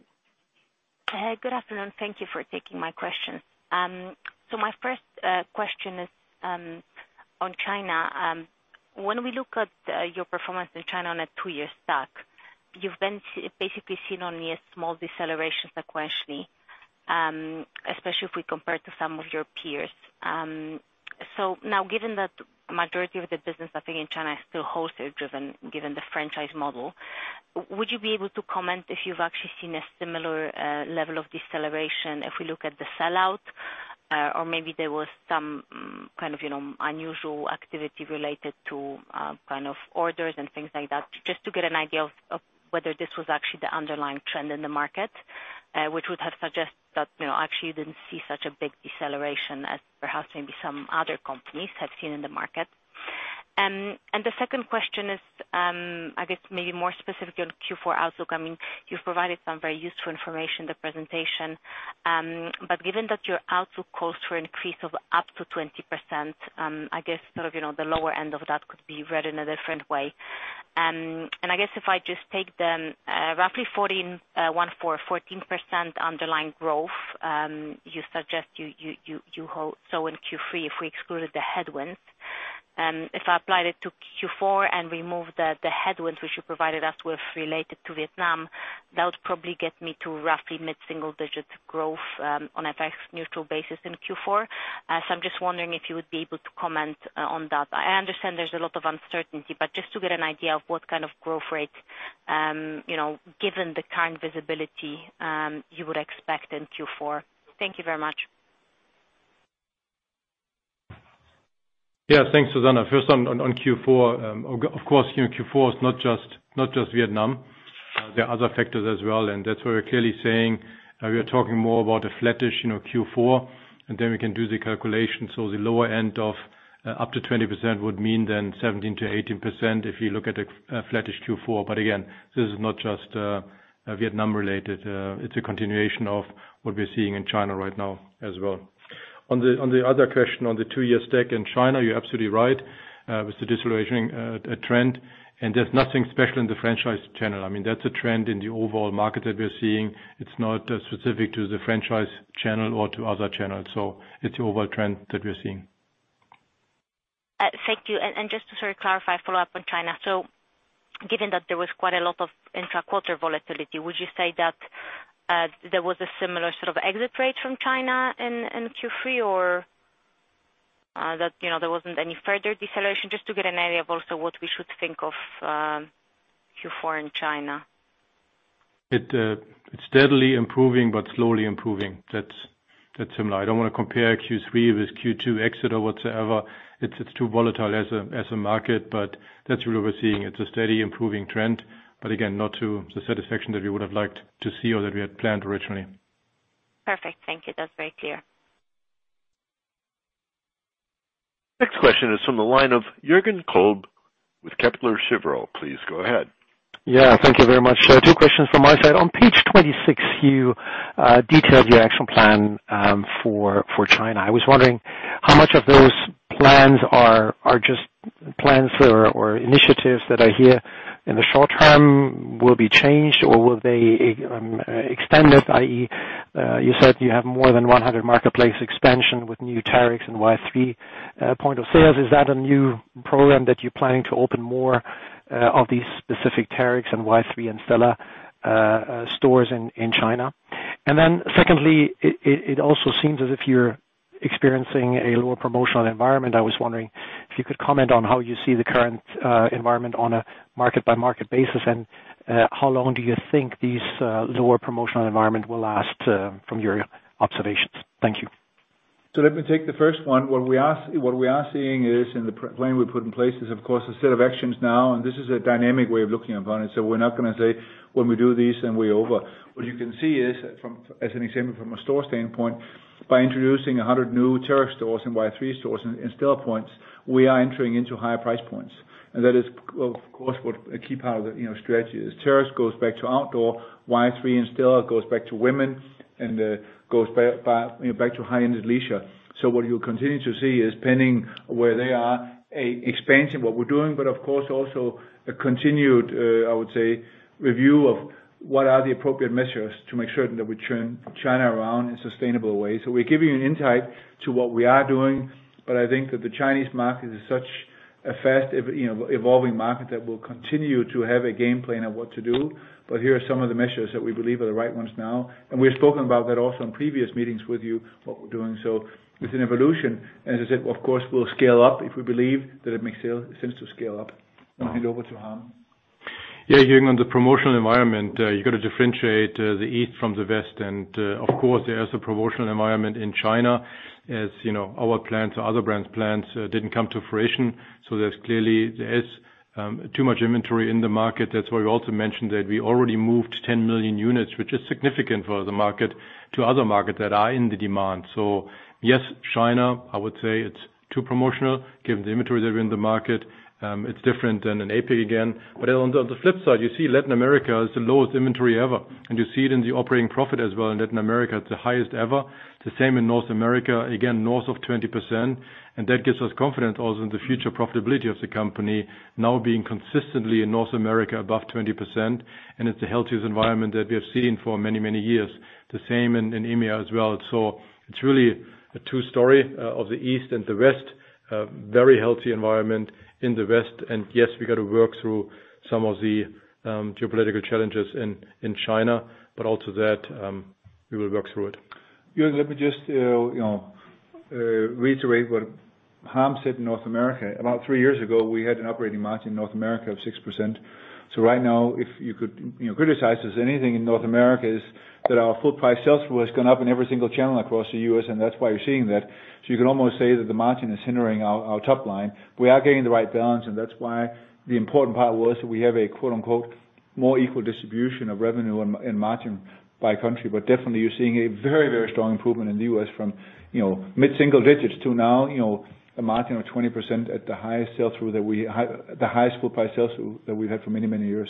Good afternoon. Thank you for taking my question. My first question is on China. When we look at your performance in China on a two-year stack, you've basically seen only a small deceleration sequentially, especially if we compare to some of your peers. Now, given that the majority of the business, I think, in China is still wholesale driven, given the franchise model, would you be able to comment if you've actually seen a similar level of deceleration if we look at the sell-out? Maybe there was some kind of, you know, unusual activity related to kind of orders and things like that, just to get an idea of whether this was actually the underlying trend in the market, which would have suggested that, you know, actually you didn't see such a big deceleration as perhaps maybe some other companies have seen in the market. The second question is, I guess maybe more specific on Q4 outlook. I mean, you've provided some very useful information in the presentation, but given that your outlook calls for an increase of up to 20%, I guess sort of, you know, the lower end of that could be read in a different way. I guess if I just take them, roughly 14% underlying growth you suggest you saw in Q3 if we excluded the headwinds. If I applied it to Q4 and removed the headwinds which you provided us with related to Vietnam, that would probably get me to roughly mid-single digit growth, on an FX-neutral basis in Q4. I'm just wondering if you would be able to comment on that. I understand there's a lot of uncertainty, but just to get an idea of what kind of growth rate, you know, given the current visibility, you would expect in Q4. Thank you very much. Yeah. Thanks, Zuzanna. First on Q4. Of course, you know, Q4 is not just Vietnam. There are other factors as well, and that's why we're clearly saying we are talking more about a flattish, you know, Q4, and then we can do the calculation. The lower end of up to 20% would mean then 17%-18% if you look at a flattish Q4. Again, this is not just Vietnam related. It's a continuation of what we're seeing in China right now as well. On the other question, on the two-year stack in China, you're absolutely right with the decelerating trend, and there's nothing special in the franchise channel. I mean, that's a trend in the overall market that we're seeing. It's not specific to the franchise channel or to other channels. It's the overall trend that we're seeing. Thank you. Just to sort of clarify, follow up on China. Given that there was quite a lot of intra-quarter volatility, would you say that there was a similar sort of exit rate from China in Q3? Or that, you know, there wasn't any further deceleration, just to get an idea of also what we should think of Q4 in China. It's steadily improving but slowly improving. That's similar. I don't wanna compare Q3 with Q2 exit or whatsoever. It's too volatile as a market, but that's really what we're seeing. It's a steady improving trend, but again, not to the satisfaction that we would have liked to see or that we had planned originally. Perfect. Thank you. That's very clear. Next question is from the line of Jürgen Kolb with Kepler Cheuvreux. Please go ahead. Yeah. Thank you very much. Two questions from my side. On page 26, you detailed your action plan for China. I was wondering how much of those plans are just plans or initiatives that are here in the short term will be changed, or will they extended, i.e., you said you have more than 100 marketplace expansion with new Terrex and Y-3 points of sale. Is that a new program that you're planning to open more of these specific Terrex and Y-3 and Stella stores in China? Secondly, it also seems as if you're experiencing a lower promotional environment. I was wondering if you could comment on how you see the current environment on a market-by-market basis, and how long do you think these lower promotional environment will last, from your observations? Thank you. Let me take the first one. What we are seeing is, and the plan we put in place is, of course, a set of actions now, and this is a dynamic way of looking upon it, so we're not gonna say, "When we do these, then we're over." What you can see is from, as an example, from a store standpoint, by introducing 100 new Terrex stores and Y-3 stores in Stella points, we are entering into higher price points. That is of course what a key part of the, you know, strategy is. Terrex goes back to outdoor, Y-3 and Stella goes back to women and, you know, back to high-end leisure. What you'll continue to see is depending where they are, an expansion what we're doing, but of course, also a continued, I would say, review of what are the appropriate measures to make certain that we turn China around in sustainable ways. We're giving you an insight to what we are doing, but I think that the Chinese market is such a fast you know, evolving market that we'll continue to have a game plan of what to do. Here are some of the measures that we believe are the right ones now, and we've spoken about that also in previous meetings with you, what we're doing. It's an evolution. As I said, of course, we'll scale up if we believe that it makes sense to scale up. Hand over to Harm. Yeah, Jürgen, on the promotional environment, you've got to differentiate the East from the West. Of course, there is a promotional environment in China. As you know, our plans or other brands' plans didn't come to fruition, so there's clearly too much inventory in the market. That's why we also mentioned that we already moved 10 million units, which is significant for the market, to other markets that are in demand. Yes, China, I would say it's too promotional given the inventory that are in the market. It's different than in AP, again. On the flip side, you see Latin America has the lowest inventory ever, and you see it in the operating profit as well in Latin America. It's the highest ever. The same in North America, again, north of 20%, and that gives us confidence also in the future profitability of the company now being consistently in North America above 20%, and it's the healthiest environment that we have seen for many, many years. The same in EMEA as well. It's really a two-speed story of the East and the West. Very healthy environment in the West, and yes, we've got to work through some of the geopolitical challenges in China, but also that we will work through it. Jürgen, let me just, you know, reiterate what Harm said in North America. About three years ago, we had an operating margin in North America of 6%. Right now, if you could, you know, criticize us, anything in North America is that our full price sales flow has gone up in every single channel across the U.S., and that's why you're seeing that. You could almost say that the margin is hindering our top line. We are getting the right balance, and that's why the important part was that we have a quote unquote "more equal distribution of revenue and margin by country." Definitely you're seeing a very, very strong improvement in the U.S. from, you know, mid-single digits to now, you know, a margin of 20% at the highest full price sell-through that we've had for many, many years.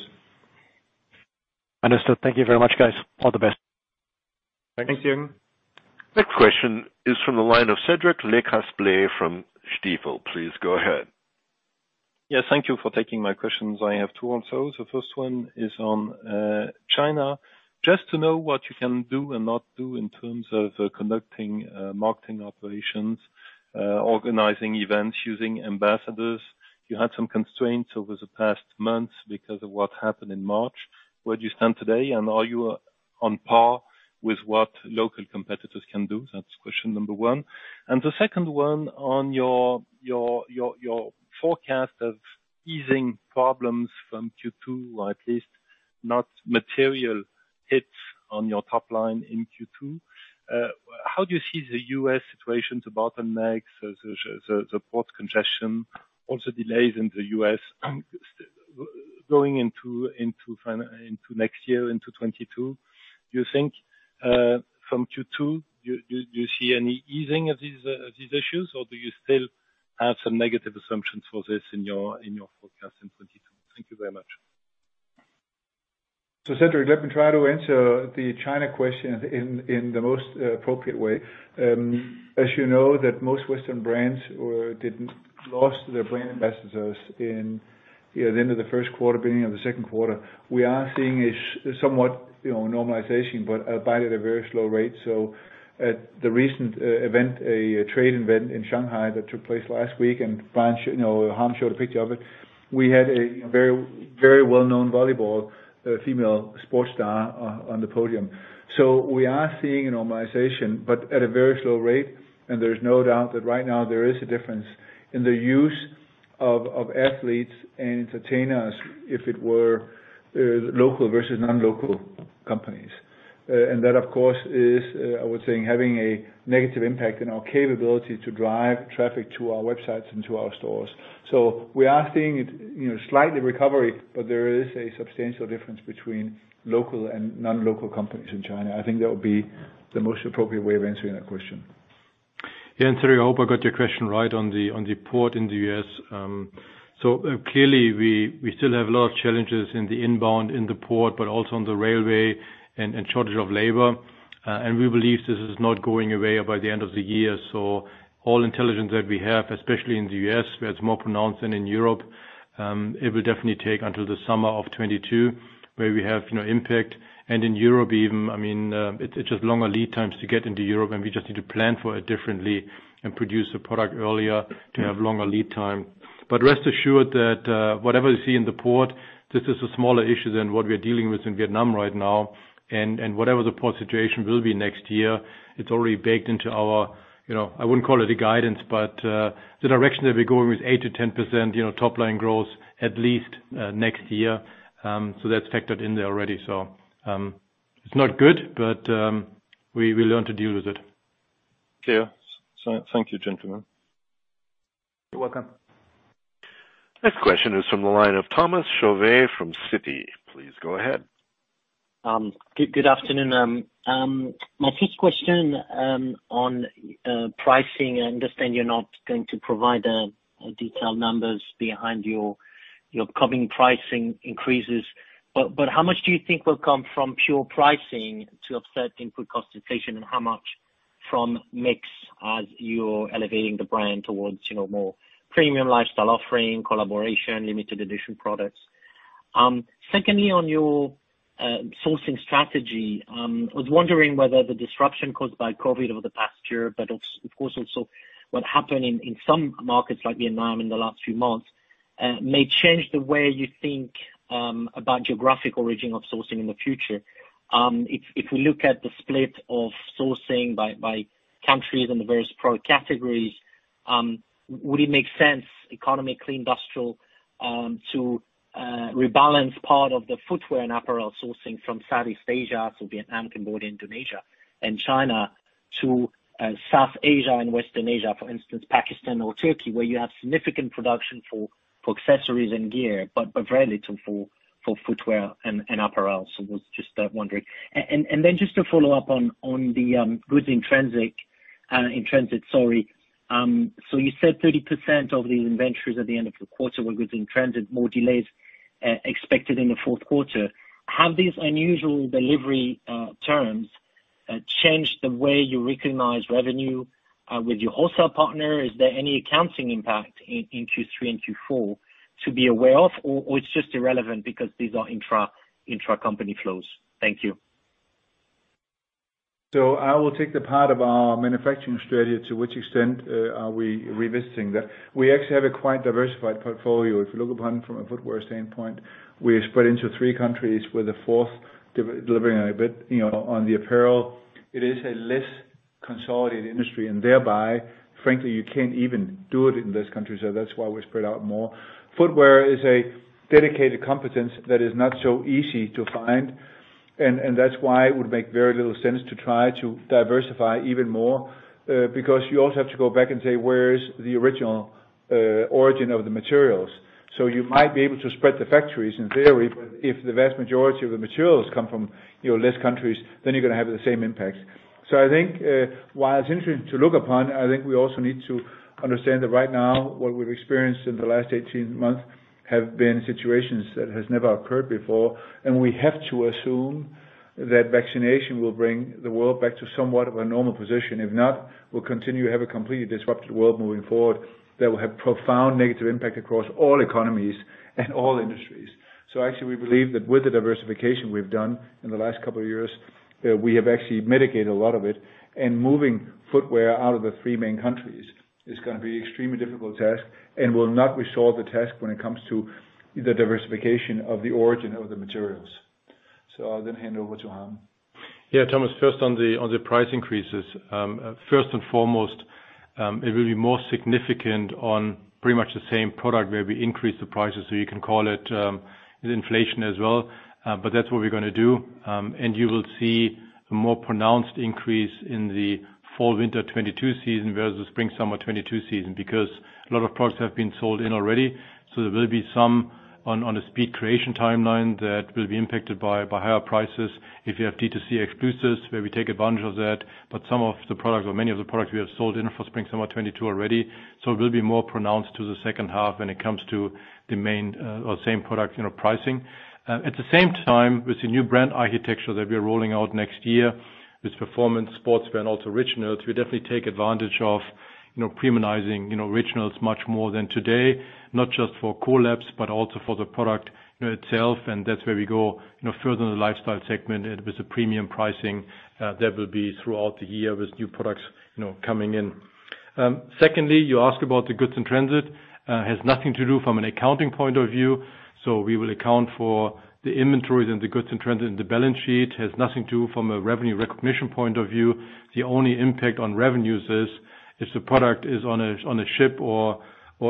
Understood. Thank you very much, guys. All the best. Thank you. Thanks, Jürgen. Next question is from the line of Cédric Lecasble from Stifel. Please go ahead. Yes, thank you for taking my questions. I have two also. The first one is on China. Just to know what you can do and not do in terms of conducting marketing operations, organizing events, using ambassadors. You had some constraints over the past months because of what happened in March. Where do you stand today, and are you on par with what local competitors can do? That's question number one. The second one on your forecast of easing problems from Q2, or at least not material hits on your top line in Q2. How do you see the U.S. situations, the bottleneck, the port congestion, all the delays in the U.S., going into next year, into 2022? Do you think, from Q2, do you see any easing of these issues, or do you still have some negative assumptions for this in your forecast in 2022? Thank you very much. Cedric, let me try to answer the China question in the most appropriate way. As you know that most Western brands lost their brand ambassadors in, you know, the end of the first quarter, beginning of the second quarter. We are seeing somewhat, you know, normalization, but at a very slow rate. At the recent event, a trade event in Shanghai that took place last week, and Brian, you know, Harm showed a picture of it, we had a very well-known volleyball female sports star on the podium. We are seeing normalization, but at a very slow rate, and there's no doubt that right now there is a difference in the use of athletes and entertainers either local versus non-local companies. That, of course, is, I would say, having a negative impact on our capability to drive traffic to our websites and to our stores. We are seeing it, you know, slight recovery, but there is a substantial difference between local and non-local companies in China. I think that would be the most appropriate way of answering that question. Yeah, Cedric, I hope I got your question right on the port in the U.S. Clearly we still have a lot of challenges in the inbound in the port, but also on the railway and shortage of labor. We believe this is not going away by the end of the year. All intelligence that we have, especially in the U.S., where it's more pronounced than in Europe, it will definitely take until the summer of 2022 where we have, you know, impact. In Europe even, I mean, it's just longer lead times to get into Europe, and we just need to plan for it differently and produce the product earlier to have longer lead time. Rest assured that, whatever you see in the port, this is a smaller issue than what we are dealing with in Vietnam right now. Whatever the port situation will be next year, it's already baked into our, you know, I wouldn't call it a guidance, but the direction that we're going with 8%-10%, you know, top line growth at least, next year. That's factored in there already. It's not good, but we will learn to deal with it. Thank you, gentlemen. You're welcome. Next question is from the line of Thomas Chauvet from Citi. Please go ahead. Good afternoon. My first question on pricing. I understand you're not going to provide detailed numbers behind your coming pricing increases, but how much do you think will come from pure pricing to offset input cost inflation, and how much from mix as you're elevating the brand towards, you know, more premium lifestyle offering, collaboration, limited edition products? Secondly, on your sourcing strategy, I was wondering whether the disruption caused by COVID over the past year, but also of course what happened in some markets like Vietnam in the last few months may change the way you think about geographic origin of sourcing in the future. If we look at the split of sourcing by countries and the various product categories, would it make sense economic, industrial, to rebalance part of the footwear and apparel sourcing from Southeast Asia, so Vietnam, Cambodia, Indonesia, and China to South Asia and Western Asia, for instance, Pakistan or Turkey, where you have significant production for accessories and gear, but very little for footwear and apparel. I was just wondering. Just to follow up on the goods in transit. You said 30% of the inventories at the end of the quarter were goods in transit, more delays expected in the fourth quarter. Have these unusual delivery terms changed the way you recognize revenue with your wholesale partner? Is there any accounting impact in Q3 and Q4 to be aware of, or it's just irrelevant because these are intra-company flows? Thank you. I will take the part about our manufacturing strategy to which extent are we revisiting that. We actually have a quite diversified portfolio. If you look upon from a footwear standpoint, we are spread into three countries with a fourth delivering a bit on the apparel. It is a less consolidated industry, and thereby, frankly, you can't even do it in this country, so that's why we're spread out more. Footwear is a dedicated competence that is not so easy to find, and that's why it would make very little sense to try to diversify even more, because you also have to go back and say, where is the original origin of the materials? You might be able to spread the factories in theory, but if the vast majority of the materials come from, you know, less countries, then you're gonna have the same impact. I think, while it's interesting to look upon, I think we also need to understand that right now, what we've experienced in the last 18 months have been situations that has never occurred before, and we have to assume that vaccination will bring the world back to somewhat of a normal position. If not, we'll continue to have a completely disrupted world moving forward that will have profound negative impact across all economies and all industries. Actually we believe that with the diversification we've done in the last couple of years, we have actually mitigated a lot of it. Moving footwear out of the three main countries is gonna be extremely difficult task and will not resolve the task when it comes to the diversification of the origin of the materials. I'll then hand over to Harm. Yeah, Thomas, first on the price increases. First and foremost, it will be more significant on pretty much the same product where we increase the prices, so you can call it the inflation as well. But that's what we're gonna do. You will see a more pronounced increase in the fall/winter 2022 season versus spring/summer 2022 season, because a lot of products have been sold in already. There will be some on a speed creation timeline that will be impacted by higher prices. If you have D2C exclusives, where we take advantage of that, but some of the products or many of the products we have sold in for spring/summer 2022 already. It will be more pronounced to the second half when it comes to the main or same product, you know, pricing. At the same time, with the new brand architecture that we're rolling out next year, with performance sportswear and also Originals, we definitely take advantage of, you know, premiumizing, you know, Originals much more than today, not just for collabs, but also for the product, you know, itself, and that's where we go, you know, further in the lifestyle segment. With the premium pricing, that will be throughout the year with new products, you know, coming in. Secondly, you ask about the goods in transit. It has nothing to do from an accounting point of view. We will account for the inventories and the goods in transit in the balance sheet. It has nothing to do from a revenue recognition point of view. The only impact on revenues is if the product is on a ship or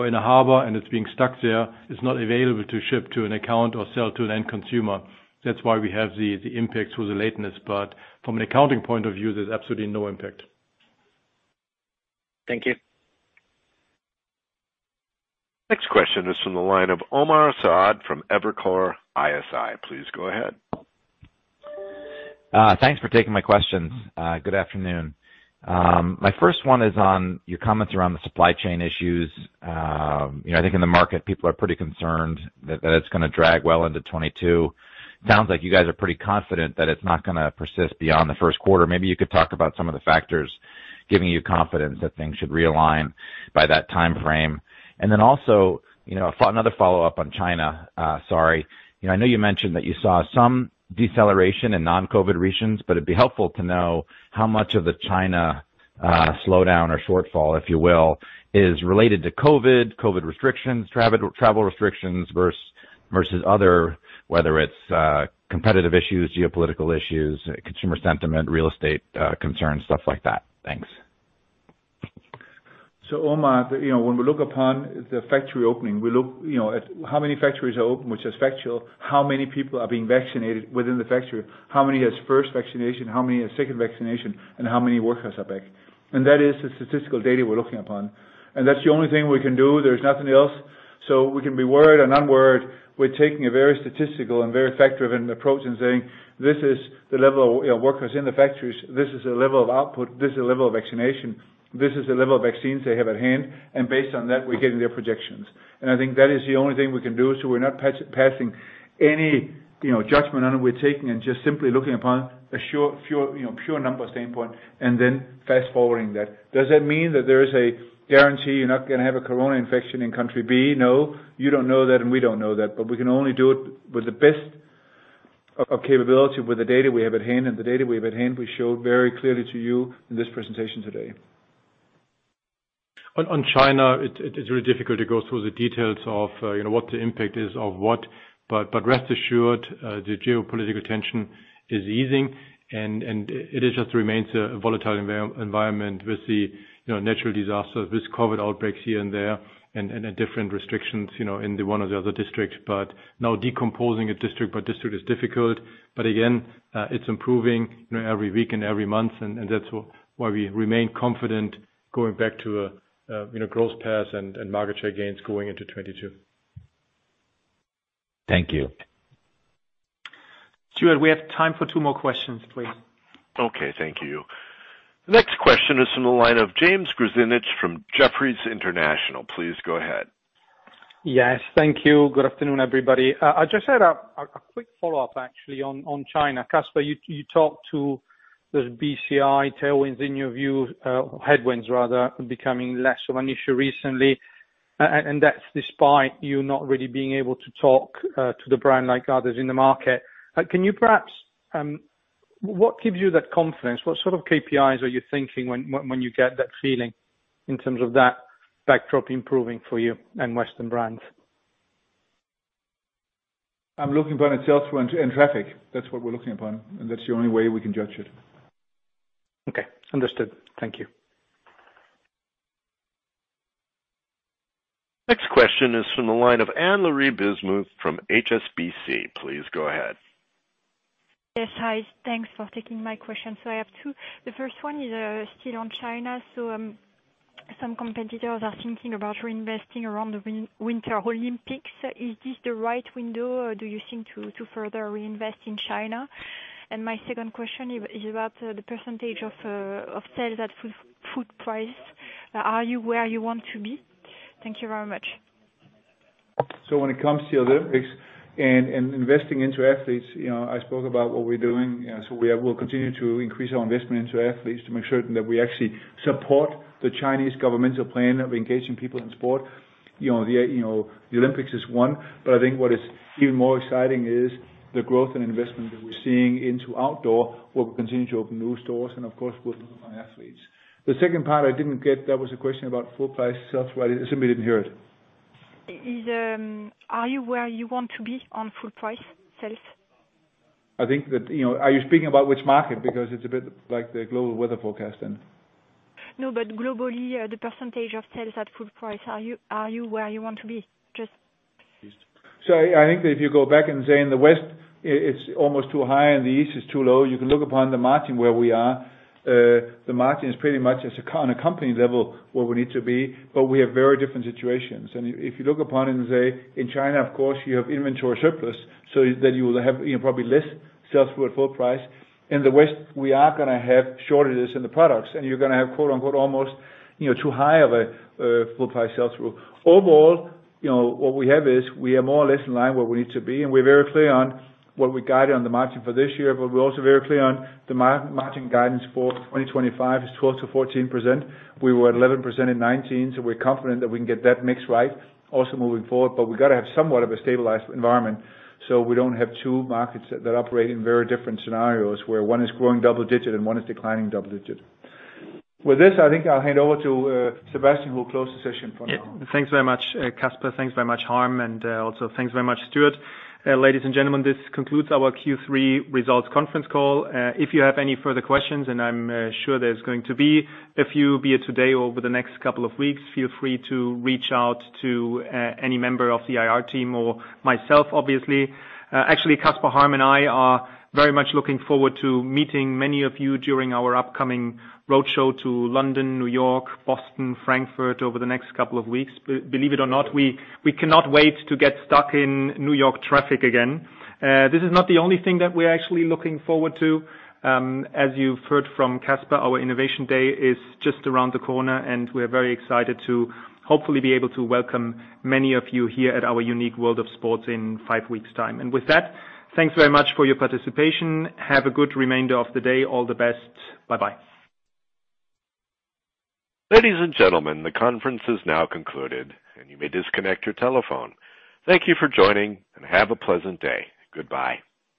in a harbor, and it's being stuck there, it's not available to ship to an account or sell to an end consumer. That's why we have the impact through the lateness. But from an accounting point of view, there's absolutely no impact. Thank you. Next question is from the line of Omar Saad from Evercore ISI. Please go ahead. Thanks for taking my questions. Good afternoon. My first one is on your comments around the supply chain issues. You know, I think in the market, people are pretty concerned that it's gonna drag well into 2022. Sounds like you guys are pretty confident that it's not gonna persist beyond the first quarter. Maybe you could talk about some of the factors giving you confidence that things should realign by that timeframe. Also, you know, another follow-up on China, sorry. You know, I know you mentioned that you saw some deceleration in non-COVID regions, but it'd be helpful to know how much of the China slowdown or shortfall, if you will, is related to COVID restrictions, travel restrictions versus other, whether it's competitive issues, geopolitical issues, consumer sentiment, real estate concerns, stuff like that. Thanks. Omar, you know, when we look upon the factory opening, we look, you know, at how many factories are open, which is factual, how many people are being vaccinated within the factory, how many has first vaccination, how many has second vaccination, and how many workers are back. That is the statistical data we're looking upon. That's the only thing we can do. There's nothing else. We can be worried or not worried. We're taking a very statistical and very factor-driven approach and saying, this is the level, you know, workers in the factories, this is the level of output, this is the level of vaccination, this is the level of vaccines they have at hand, and based on that, we're getting their projections. I think that is the only thing we can do, so we're not passing any, you know, judgment on it. We're taking and just simply looking upon a sure, pure, you know, pure number standpoint and then fast-forwarding that. Does that mean that there is a guarantee you're not gonna have a corona infection in country B? No. You don't know that, and we don't know that, but we can only do it with the best of capability with the data we have at hand, and the data we have at hand we showed very clearly to you in this presentation today. On China, it's very difficult to go through the details of, you know, what the impact is of what, but rest assured, the geopolitical tension is easing, and it just remains a volatile environment with the, you know, natural disaster, with COVID outbreaks here and there and different restrictions, you know, in the one or the other districts. Now decomposing it district by district is difficult. Again, it's improving, you know, every week and every month and that's why we remain confident going back to a, you know, growth path and market share gains going into 2022. Thank you. Stuart, we have time for two more questions, please. Okay, thank you. Next question is from the line of James Grzinic from Jefferies International. Please go ahead. Yes, thank you. Good afternoon, everybody. I just had a quick follow-up actually on China. Kasper, you talked to those BCI tailwinds in your view, headwinds rather becoming less of an issue recently, and that's despite you not really being able to talk to the brand like others in the market. Can you perhaps what gives you that confidence? What sort of KPIs are you thinking when you get that feeling in terms of that backdrop improving for you and Western brands? I'm looking upon its sales and traffic. That's what we're looking upon, and that's the only way we can judge it. Okay. Understood. Thank you. Next question is from the line of Anne-Laure Bismuth from HSBC. Please go ahead. Yes. Hi, thanks for taking my question. I have two. The first one is still on China. Some competitors are thinking about reinvesting around the Beijing Winter Olympics. Is this the right window, or do you seem to further reinvest in China? My second question is about the percentage of sales at full price. Are you where you want to be? Thank you very much. When it comes to the Olympics and investing into athletes, you know, I spoke about what we're doing. We have. We'll continue to increase our investment into athletes to make sure that we actually support the Chinese governmental plan of engaging people in sport. You know, the Olympics is one, but I think what is even more exciting is the growth and investment that we're seeing into outdoor, where we continue to open new stores and of course with my athletes. The second part I didn't get. That was a question about full price sales, right? I simply didn't hear it. Are you where you want to be on full price sales? I think that, you know, are you speaking about which market? Because it's a bit like the global weather forecast then. No, but globally, the percentage of sales at full price, are you where you want to be? Just... I think that if you go back and say in the West it's almost too high and the East is too low, you can look upon the margin where we are. The margin is pretty much on a company level where we need to be, but we have very different situations. If you look upon it and say in China, of course, you have inventory surplus, so then you will have probably less full-price sales. In the West, we are gonna have shortages in the products, and you're gonna have quote-unquote almost you know too high of a full-price sales rate. Overall, you know, what we have is we are more or less in line where we need to be, and we're very clear on what we guided on the margin for this year, but we're also very clear on the margin guidance for 2025 is 12%-14%. We were at 11% in 2019, so we're confident that we can get that mix right also moving forward. We gotta have somewhat of a stabilized environment, so we don't have two markets that operate in very different scenarios where one is growing double-digit and one is declining double-digit. With this, I think I'll hand over to Sebastian, who will close the session for now. Yeah. Thanks very much, Kasper. Thanks very much, Harm, and also thanks very much, Stuart. Ladies and gentlemen, this concludes our Q3 results conference call. If you have any further questions, and I'm sure there's going to be a few, be it today or over the next couple of weeks, feel free to reach out to any member of the IR team or myself obviously. Actually, Kasper, Harm, and I are very much looking forward to meeting many of you during our upcoming roadshow to London, New York, Boston, Frankfurt over the next couple of weeks. Believe it or not, we cannot wait to get stuck in New York traffic again. This is not the only thing that we're actually looking forward to. As you've heard from Kasper, our Innovation Day is just around the corner, and we're very excited to hopefully be able to welcome many of you here at our unique world of sports in five weeks time. With that, thanks very much for your participation. Have a good remainder of the day. All the best. Bye-bye. Ladies and gentlemen, the conference is now concluded, and you may disconnect your telephone. Thank you for joining, and have a pleasant day. Goodbye.